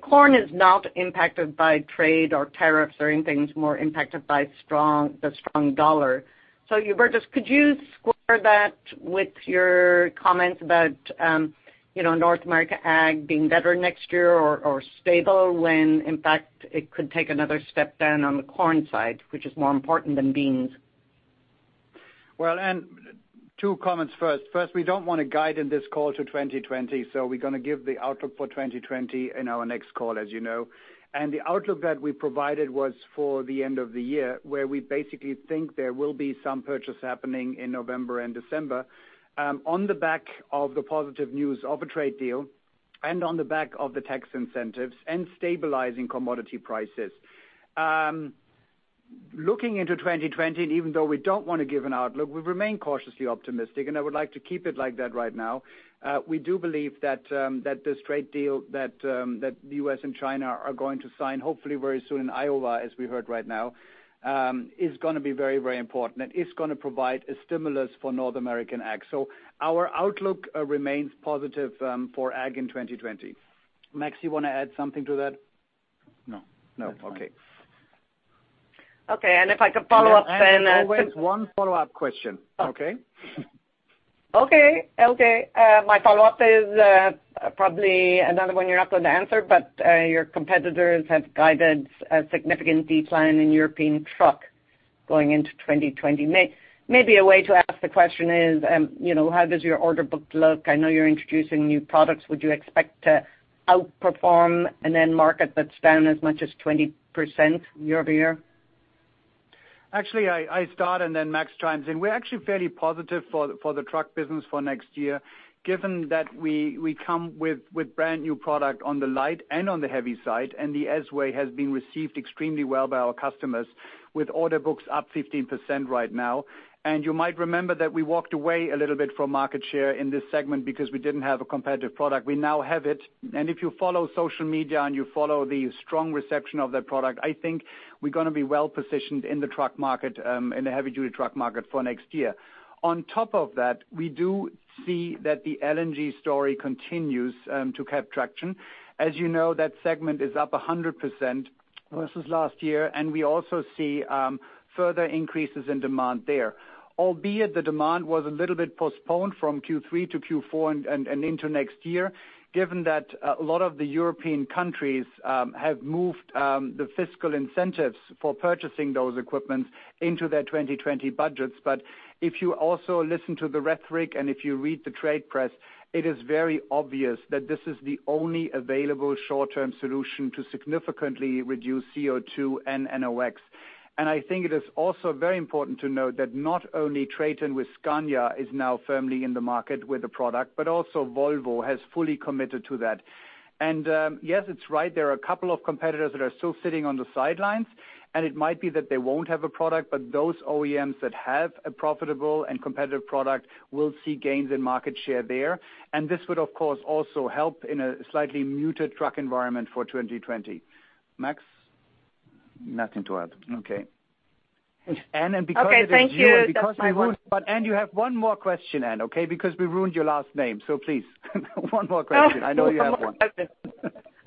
Corn is not impacted by trade or tariffs or anything. It's more impacted by the strong dollar. Hubertus, could you square that with your comments about North America ag being better next year or stable when, in fact, it could take another step down on the corn side, which is more important than beans? Well, Ann, two comments first. First, we don't want to guide in this call to 2020, so we're going to give the outlook for 2020 in our next call, as you know. The outlook that we provided was for the end of the year, where we basically think there will be some purchase happening in November and December on the back of the positive news of a trade deal and on the back of the tax incentives and stabilizing commodity prices. Looking into 2020, and even though we don't want to give an outlook, we remain cautiously optimistic, and I would like to keep it like that right now. We do believe that this trade deal that the U.S. and China are going to sign, hopefully very soon in Iowa, as we heard right now, is going to be very, very important, and it's going to provide a stimulus for North American ag. Our outlook remains positive for ag in 2020. Max, you want to add something to that? No. No. Okay. Okay. If I could follow up then. Ann, as always, one follow-up question. Okay? Okay. My follow-up is probably another one you're not going to answer, but your competitors have guided a significant decline in European truck going into 2020. Maybe a way to ask the question is, how does your order book look? I know you're introducing new products. Would you expect to outperform an end market that's down as much as 20% year-over-year? Actually, I start, and then Max chimes in. We're actually fairly positive for the truck business for next year, given that we come with brand-new product on the light and on the heavy side, and the S-Way has been received extremely well by our customers with order books up 15% right now. You might remember that we walked away a little bit from market share in this segment because we didn't have a competitive product. We now have it. If you follow social media and you follow the strong reception of that product, I think we're going to be well-positioned in the truck market, in the heavy-duty truck market for next year. On top of that, we do see that the LNG story continues to have traction. As you know, that segment is up 100% versus last year, and we also see further increases in demand there. Albeit the demand was a little bit postponed from Q3 to Q4 and into next year, given that a lot of the European countries have moved the fiscal incentives for purchasing those equipment into their 2020 budgets. If you also listen to the rhetoric and if you read the trade press, it is very obvious that this is the only available short-term solution to significantly reduce CO2 and NOx. I think it is also very important to note that not only TRATON with Scania is now firmly in the market with a product, but also Volvo has fully committed to that. Yes, it's right, there are a couple of competitors that are still sitting on the sidelines, and it might be that they won't have a product, but those OEMs that have a profitable and competitive product will see gains in market share there. This would, of course, also help in a slightly muted truck environment for 2020. Max? Nothing to add. Okay. Ann, Okay. Thank you. Ann, you have one more question, Ann, okay? We ruined your last name, so please, one more question. I know you have one.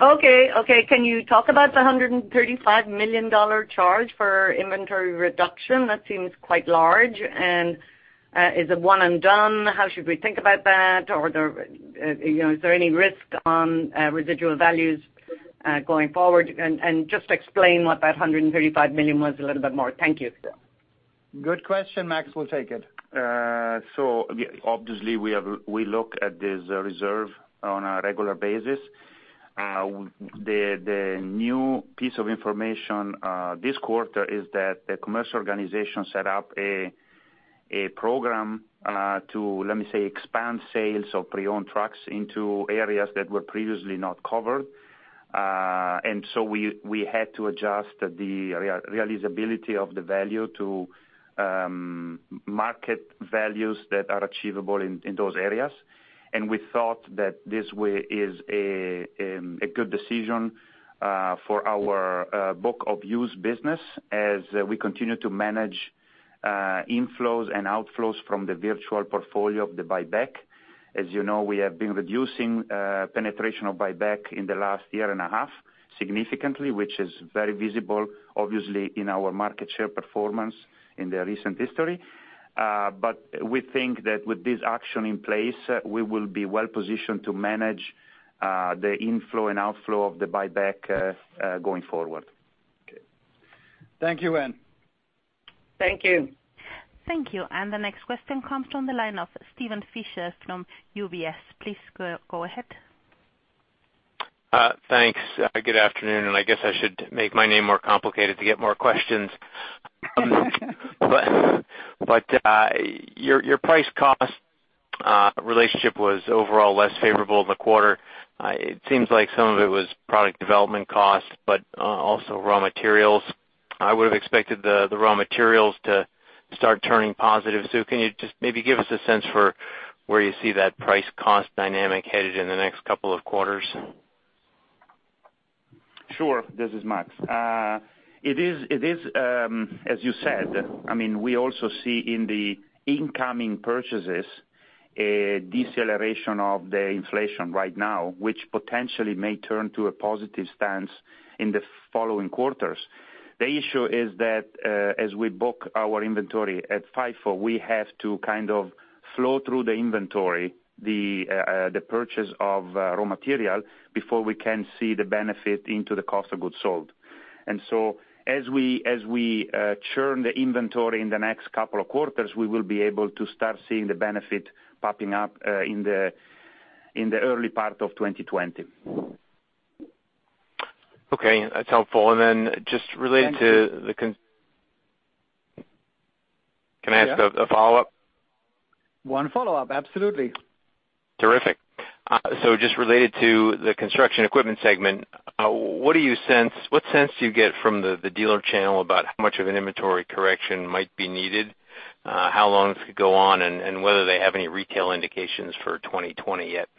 Okay. Can you talk about the $135 million charge for inventory reduction? That seems quite large. Is it one and done? How should we think about that? Is there any risk on residual values going forward? Just explain what that $135 million was a little bit more. Thank you. Good question. Max will take it. Obviously, we look at this reserve on a regular basis. The new piece of information this quarter is that the commercial organization set up a program to, let me say, expand sales of pre-owned trucks into areas that were previously not covered. We had to adjust the realizability of the value to market values that are achievable in those areas. We thought that this way is a good decision for our book of used business as we continue to manage inflows and outflows from the virtual portfolio of the buyback. You know, we have been reducing penetration of buyback in the last year and a half significantly, which is very visible, obviously, in our market share performance in the recent history. We think that with this action in place, we will be well-positioned to manage the inflow and outflow of the buyback going forward. Okay. Thank you, Ann. Thank you. Thank you. The next question comes from the line of Steven Fisher from UBS. Please go ahead. Thanks. Good afternoon. I guess I should make my name more complicated to get more questions. Your price cost relationship was overall less favorable in the quarter. It seems like some of it was product development cost, but also raw materials. I would've expected the raw materials to start turning positive. Can you just maybe give us a sense for where you see that price cost dynamic headed in the next couple of quarters? Sure. This is Max. It is, as you said. We also see in the incoming purchases a deceleration of the inflation right now, which potentially may turn to a positive stance in the following quarters. The issue is that, as we book our inventory at FIFO, we have to kind of flow through the inventory the purchase of raw material before we can see the benefit into the cost of goods sold. As we churn the inventory in the next couple of quarters, we will be able to start seeing the benefit popping up in the early part of 2020. Okay. That's helpful. Thank you. Can I ask a follow-up? One follow-up, absolutely. Terrific. Just related to the construction equipment segment, what sense do you get from the dealer channel about how much of an inventory correction might be needed, how long this could go on, and whether they have any retail indications for 2020 yet?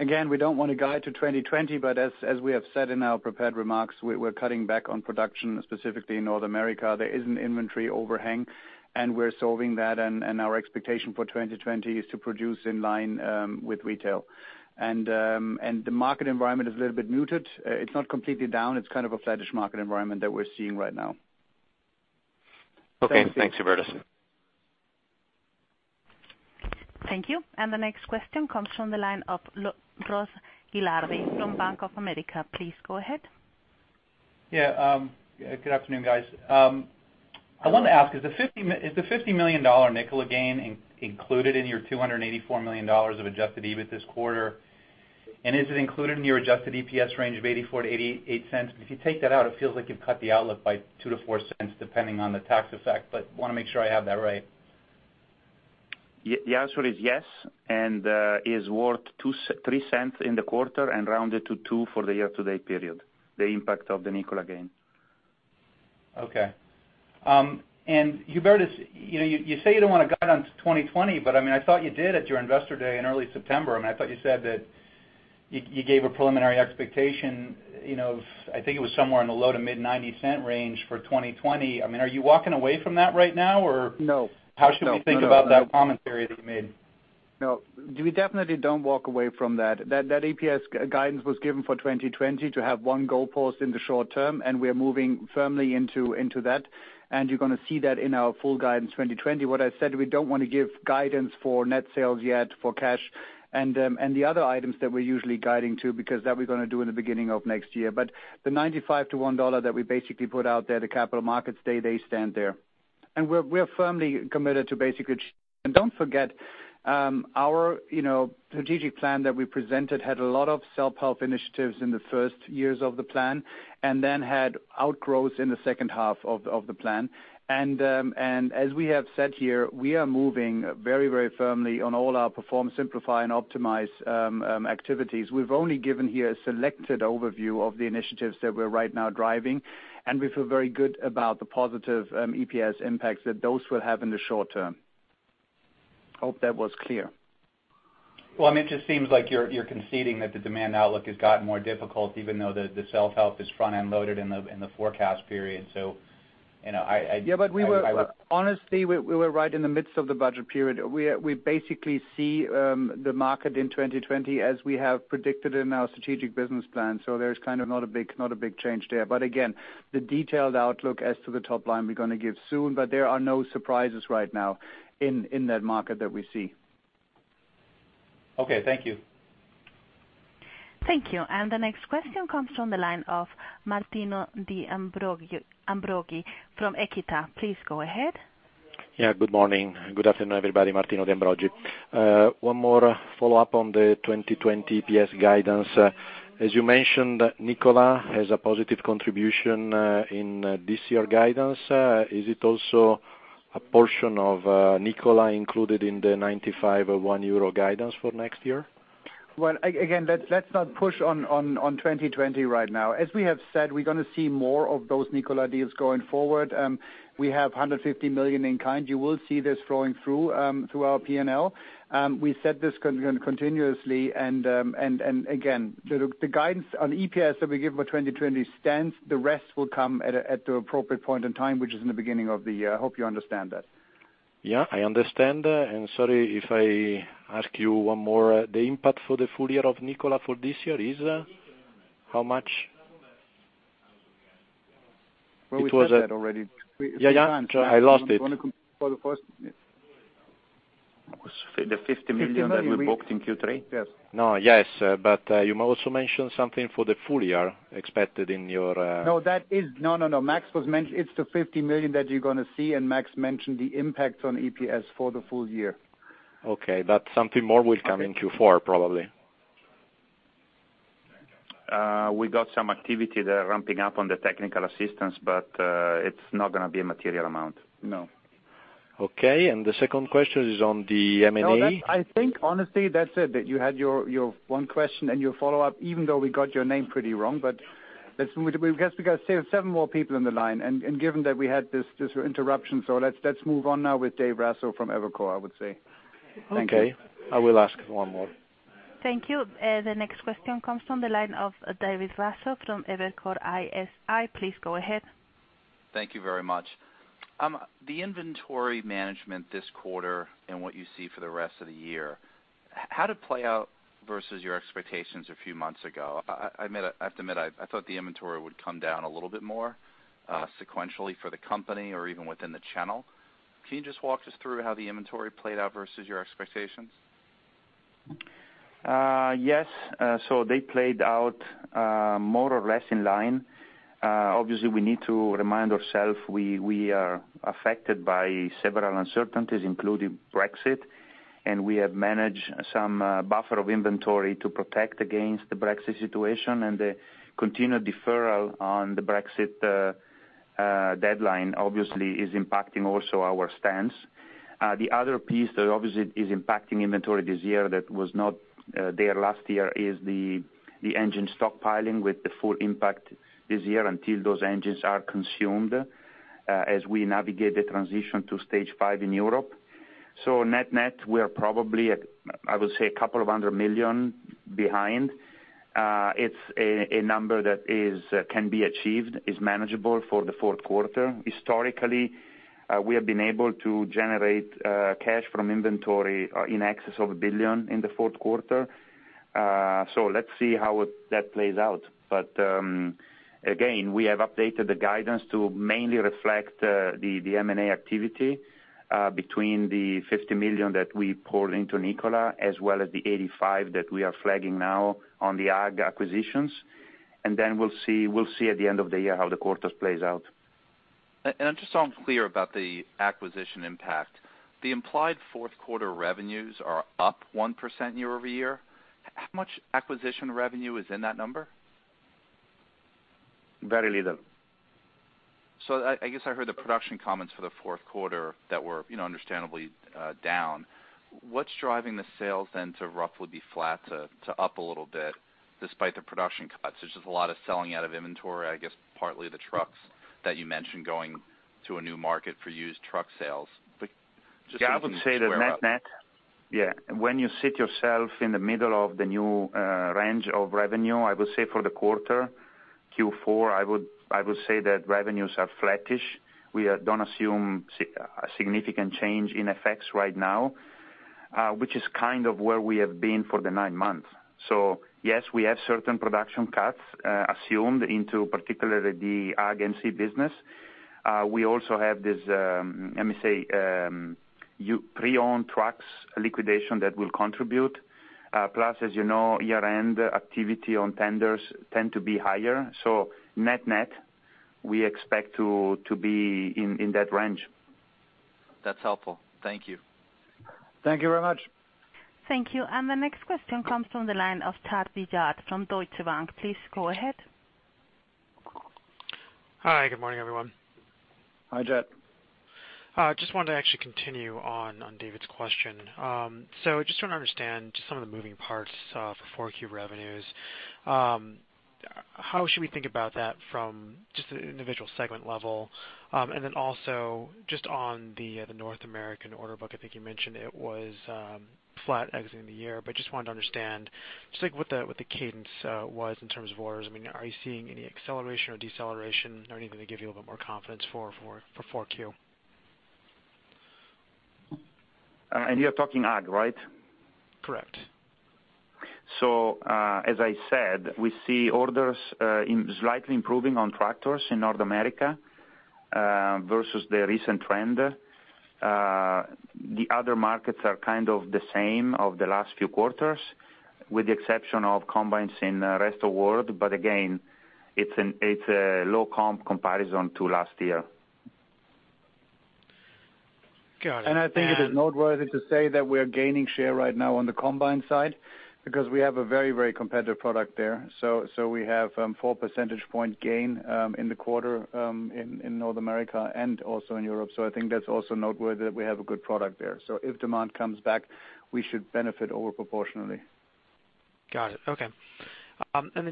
Again, we don't want to guide to 2020, but as we have said in our prepared remarks, we're cutting back on production, specifically in North America. There is an inventory overhang, and we're solving that, and our expectation for 2020 is to produce in line with retail. The market environment is a little bit muted. It's not completely down. It's kind of a flattish market environment that we're seeing right now. Okay. Thanks, Hubertus. Thank you. The next question comes from the line of Ross Gilardi from Bank of America. Please go ahead. Good afternoon, guys. I wanted to ask, is the $50 million Nikola gain included in your $284 million of adjusted EBIT this quarter? Is it included in your adjusted EPS range of $0.84 to $0.88? If you take that out, it feels like you've cut the outlook by $0.02 to $0.04, depending on the tax effect, but want to make sure I have that right. The answer is yes, and it is worth 0.03 in the quarter and rounded to 0.02 for the year-to-date period, the impact of the Nikola gain. Okay. Hubertus, you say you don't want to guide on 2020, I thought you did at your investor day in early September. I thought you said that you gave a preliminary expectation of, I think it was somewhere in the low to mid $0.90 range for 2020. Are you walking away from that right now? No. How should we think about that commentary that you made? No. We definitely don't walk away from that. That EPS guidance was given for 2020 to have one goalpost in the short term, and we're moving firmly into that. You're going to see that in our full guidance 2020. What I said, we don't want to give guidance for net sales yet for cash and the other items that we're usually guiding to, because that we're going to do in the beginning of next year. The EUR 0.95-EUR 1.00 that we basically put out there, the Capital Markets Day, they stand there. We're firmly committed to. Don't forget, our strategic plan that we presented had a lot of self-help initiatives in the first years of the plan, and then had outgrowths in the second half of the plan. As we have said here, we are moving very firmly on all our perform, simplify, and optimize activities. We've only given here a selected overview of the initiatives that we're right now driving. We feel very good about the positive EPS impacts that those will have in the short term. Hope that was clear. Well, it just seems like you're conceding that the demand outlook has gotten more difficult even though the self-help is front-end loaded in the forecast period. Honestly, we were right in the midst of the budget period. We basically see the market in 2020 as we have predicted in our Strategic Business Plan. There's kind of not a big change there. Again, the detailed outlook as to the top line we're going to give soon, there are no surprises right now in that market that we see. Okay, thank you. Thank you. The next question comes from the line of Martino De Ambroggi from Equita. Please go ahead. Yeah, good morning. Good afternoon, everybody. Martino De Ambroggi. One more follow-up on the 2020 EPS guidance. As you mentioned, Nikola has a positive contribution in this year guidance. Is it also? A portion of Nikola included in the 0.95 euro guidance for next year? Well, again, let's not push on 2020 right now. As we have said, we're going to see more of those Nikola deals going forward. We have $150 million in kind. You will see this flowing through our P&L. We set this continuously and, again, the guidance on EPS that we give for 2020 stands. The rest will come at the appropriate point in time, which is in the beginning of the year. I hope you understand that. Yeah, I understand. Sorry if I ask you one more. The impact for the full year of Nikola for this year is how much? Well, we said that already. Yeah. I lost it. You want to for the first? It was the 50 million that we booked in Q3. Yes. No, yes. You also mentioned something for the full year expected in your. No, It's the 50 million that you're going to see, and Max mentioned the impact on EPS for the full year. Okay. Something more will come in Q4 probably. We got some activity there ramping up on the technical assistance, but it's not going to be a material amount, no. Okay. The second question is on the M&A. No, I think honestly that's it, that you had your one question and your follow-up, even though we got your name pretty wrong. I guess we got seven more people in the line, and given that we had this interruption, let's move on now with Dave Raso from Evercore, I would say. Thank you. Okay. I will ask one more. Thank you. The next question comes from the line of David Raso from Evercore ISI. Please go ahead. Thank you very much. The inventory management this quarter and what you see for the rest of the year, how'd it play out versus your expectations a few months ago? I have to admit, I thought the inventory would come down a little bit more sequentially for the company or even within the channel. Can you just walk us through how the inventory played out versus your expectations? Yes. They played out more or less in line. Obviously, we need to remind ourselves, we are affected by several uncertainties, including Brexit, and we have managed some buffer of inventory to protect against the Brexit situation and the continued deferral on the Brexit deadline obviously is impacting also our stance. The other piece that obviously is impacting inventory this year that was not there last year is the engine stockpiling with the full impact this year until those engines are consumed as we navigate the transition to Stage V in Europe. Net-net, we are probably at, I would say, a couple of 100 million behind. It's a number that can be achieved, is manageable for the fourth quarter. Historically, we have been able to generate cash from inventory in excess of 1 billion in the fourth quarter. Let's see how that plays out. Again, we have updated the guidance to mainly reflect the M&A activity between the 50 million that we poured into Nikola, as well as the 85 that we are flagging now on the ag acquisitions. Then we'll see at the end of the year how the quarter plays out. Just so I'm clear about the acquisition impact, the implied fourth quarter revenues are up 1% year-over-year. How much acquisition revenue is in that number? Very little. I guess I heard the production comments for the fourth quarter that were understandably down. What's driving the sales then to roughly be flat to up a little bit despite the production cuts? There's just a lot of selling out of inventory, I guess partly the trucks that you mentioned going to a new market for used truck sales. Just so I can square up. I would say that net-net, when you sit yourself in the middle of the new range of revenue, I would say for the quarter, Q4, I would say that revenues are flattish. We don't assume a significant change in effects right now, which is kind of where we have been for the nine months. Yes, we have certain production cuts assumed into particularly the ag and C business. We also have this, let me say, pre-owned trucks liquidation that will contribute. As you know, year-end activity on tenders tend to be higher. Net-net, we expect to be in that range. That's helpful. Thank you. Thank you very much. Thank you. The next question comes from the line of Chad Bijad from Deutsche Bank. Please go ahead. Hi, good morning, everyone. Hi, Chad. Just wanted to actually continue on David's question. Just trying to understand just some of the moving parts for 4Q revenues. How should we think about that from just an individual segment level? Also just on the North American order book, I think you mentioned it was flat exiting the year, but just wanted to understand just like what the cadence was in terms of orders. Are you seeing any acceleration or deceleration or anything to give you a little bit more confidence for 4Q? You're talking ag, right? Correct. As I said, we see orders slightly improving on tractors in North America versus the recent trend. The other markets are kind of the same over the last few quarters, with the exception of combines in the rest of world. Again, it's a low comp comparison to last year. I think it is noteworthy to say that we are gaining share right now on the combine side because we have a very competitive product there. We have four percentage point gain in the quarter in North America and also in Europe. I think that's also noteworthy that we have a good product there. If demand comes back, we should benefit over proportionally. Got it. Okay.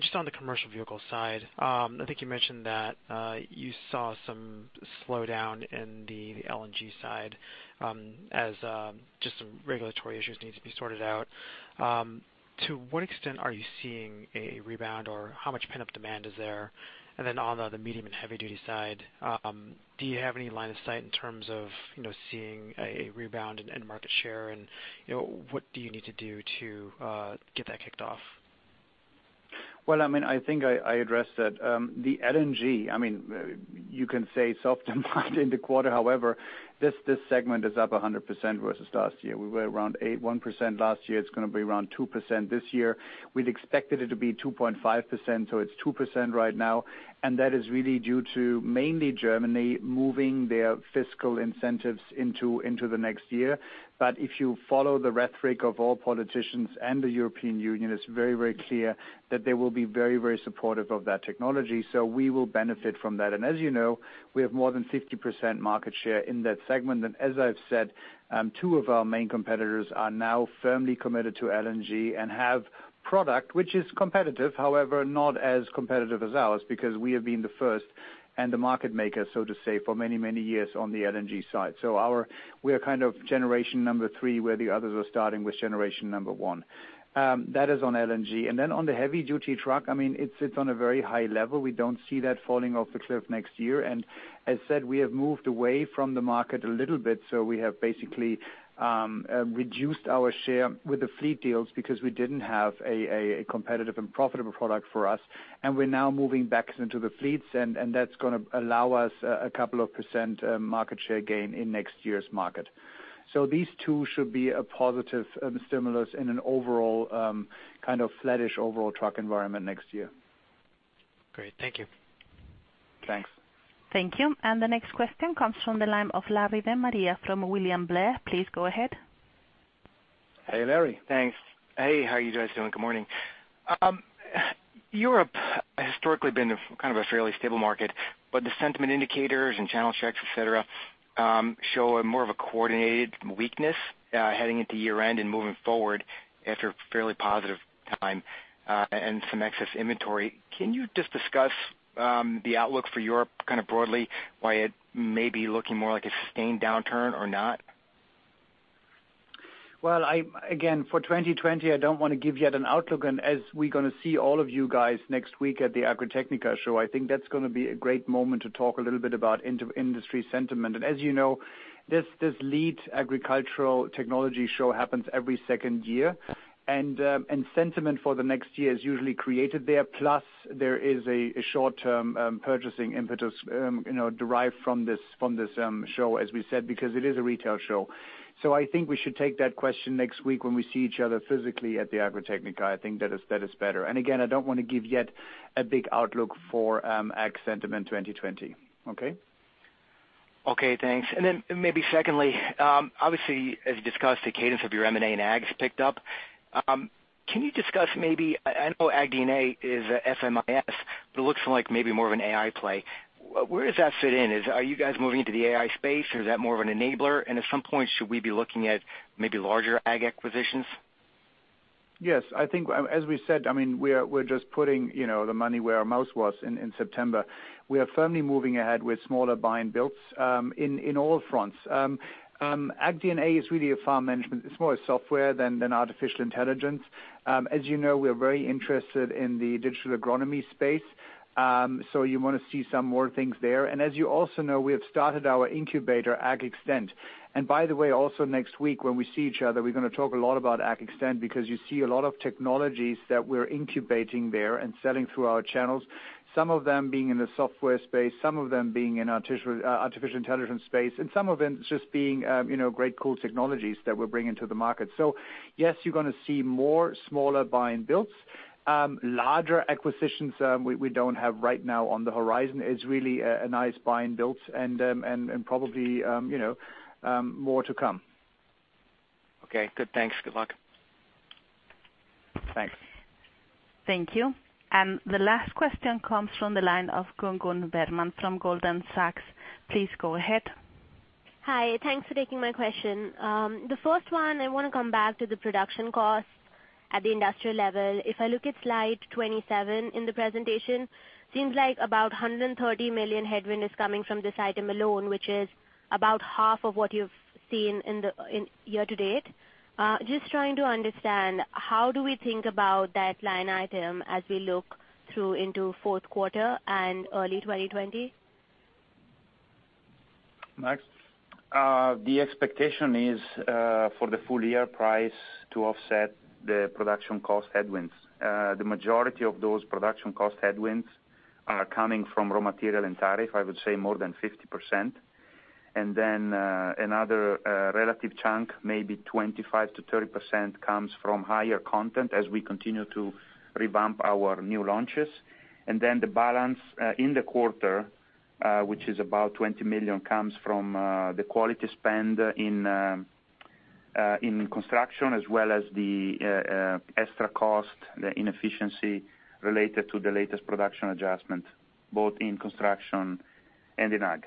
Just on the commercial vehicle side, I think you mentioned that you saw some slowdown in the LNG side, as just some regulatory issues need to be sorted out. To what extent are you seeing a rebound or how much pent-up demand is there? On the medium and heavy-duty side, do you have any line of sight in terms of seeing a rebound in market share and what do you need to do to get that kicked off? Well, I think I addressed that. The LNG, you can say soft demand in the quarter. This segment is up 100% versus last year. We were around 1% last year. It's going to be around 2% this year. We'd expected it to be 2.5%, it's 2% right now. That is really due to mainly Germany moving their fiscal incentives into the next year. If you follow the rhetoric of all politicians and the European Union, it's very clear that they will be very supportive of that technology. We will benefit from that. As you know, we have more than 50% market share in that segment. As I've said, two of our main competitors are now firmly committed to LNG and have product which is competitive, however, not as competitive as ours because we have been the first and the market maker, so to say, for many years on the LNG side. We are kind of generation number 3, where the others are starting with generation number 1. That is on LNG. On the heavy-duty truck, it sits on a very high level. We don't see that falling off the cliff next year. As said, we have moved away from the market a little bit. We have basically reduced our share with the fleet deals because we didn't have a competitive and profitable product for us. We're now moving back into the fleets, and that's going to allow us a couple of percent market share gain in next year's market. These two should be a positive stimulus in an overall kind of flattish overall truck environment next year. Great. Thank you. Thanks. Thank you. The next question comes from the line of Larry De Maria from William Blair. Please go ahead. Hey, Larry. Thanks. Hey, how are you guys doing? Good morning. Europe has historically been a kind of a fairly stable market. The sentiment indicators and channel checks, et cetera, show a more of a coordinated weakness heading into year-end and moving forward after a fairly positive time and some excess inventory. Can you just discuss the outlook for Europe kind of broadly, why it may be looking more like a sustained downturn or not? Well, again, for 2020, I don't want to give yet an outlook. As we're going to see all of you guys next week at the Agritechnica show, I think that's going to be a great moment to talk a little bit about industry sentiment. As you know, this lead agricultural technology show happens every second year. Sentiment for the next year is usually created there. Plus, there is a short-term purchasing impetus derived from this show, as we said, because it is a retail show. I think we should take that question next week when we see each other physically at the Agritechnica. I think that is better. Again, I don't want to give yet a big outlook for ag sentiment 2020. Okay? Okay, thanks. Maybe secondly, obviously, as discussed, the cadence of your M&A in ag has picked up. Can you discuss maybe, I know AgDNA is an FMS, but it looks like maybe more of an AI play. Where does that fit in? Are you guys moving into the AI space or is that more of an enabler? At some point, should we be looking at maybe larger ag acquisitions? Yes, I think as we said, we're just putting the money where our mouth was in September. We are firmly moving ahead with smaller buy and builds in all fronts. AgDNA is really a farm management. It's more a software than artificial intelligence. As you know, we are very interested in the digital agronomy space. You want to see some more things there. As you also know, we have started our incubator, AGXTEND. By the way, also next week when we see each other, we're going to talk a lot about AGXTEND because you see a lot of technologies that we're incubating there and selling through our channels. Some of them being in the software space, some of them being in artificial intelligence space, and some of them just being great cool technologies that we're bringing to the market. Yes, you're going to see more smaller buy and builds. Larger acquisitions we don't have right now on the horizon. It's really a nice buy and build and probably more to come. Okay. Good, thanks. Good luck. Thanks. Thank you. The last question comes from the line of Gungun Verma from Goldman Sachs. Please go ahead. Hi. Thanks for taking my question. The first one, I want to come back to the production cost at the industrial level. If I look at slide 27 in the presentation, seems like about $130 million headwind is coming from this item alone, which is about half of what you've seen in year to date. Just trying to understand, how do we think about that line item as we look through into fourth quarter and early 2020? Max? The expectation is for the full year price to offset the production cost headwinds. The majority of those production cost headwinds are coming from raw material and tariff, I would say more than 50%. Another relative chunk, maybe 25%-30%, comes from higher content as we continue to revamp our new launches. The balance in the quarter, which is about $20 million, comes from the quality spend in construction as well as the extra cost, the inefficiency related to the latest production adjustment, both in construction and in ag.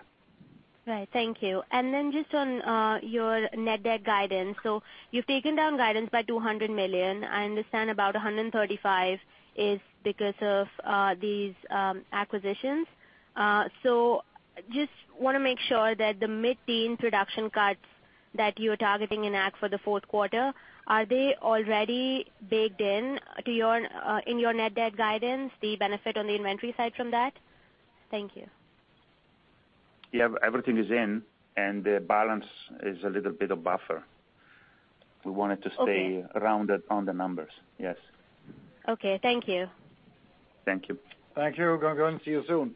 Right. Thank you. Just on your net debt guidance. You've taken down guidance by $200 million. I understand about $135 is because of these acquisitions. Just want to make sure that the mid-teen production cuts that you're targeting in Ag for the fourth quarter, are they already baked in your net debt guidance, the benefit on the inventory side from that? Thank you. Yeah, everything is in, and the balance is a little bit of buffer. We wanted to stay rounded on the numbers. Yes. Okay. Thank you. Thank you. Thank you, Gungun. See you soon.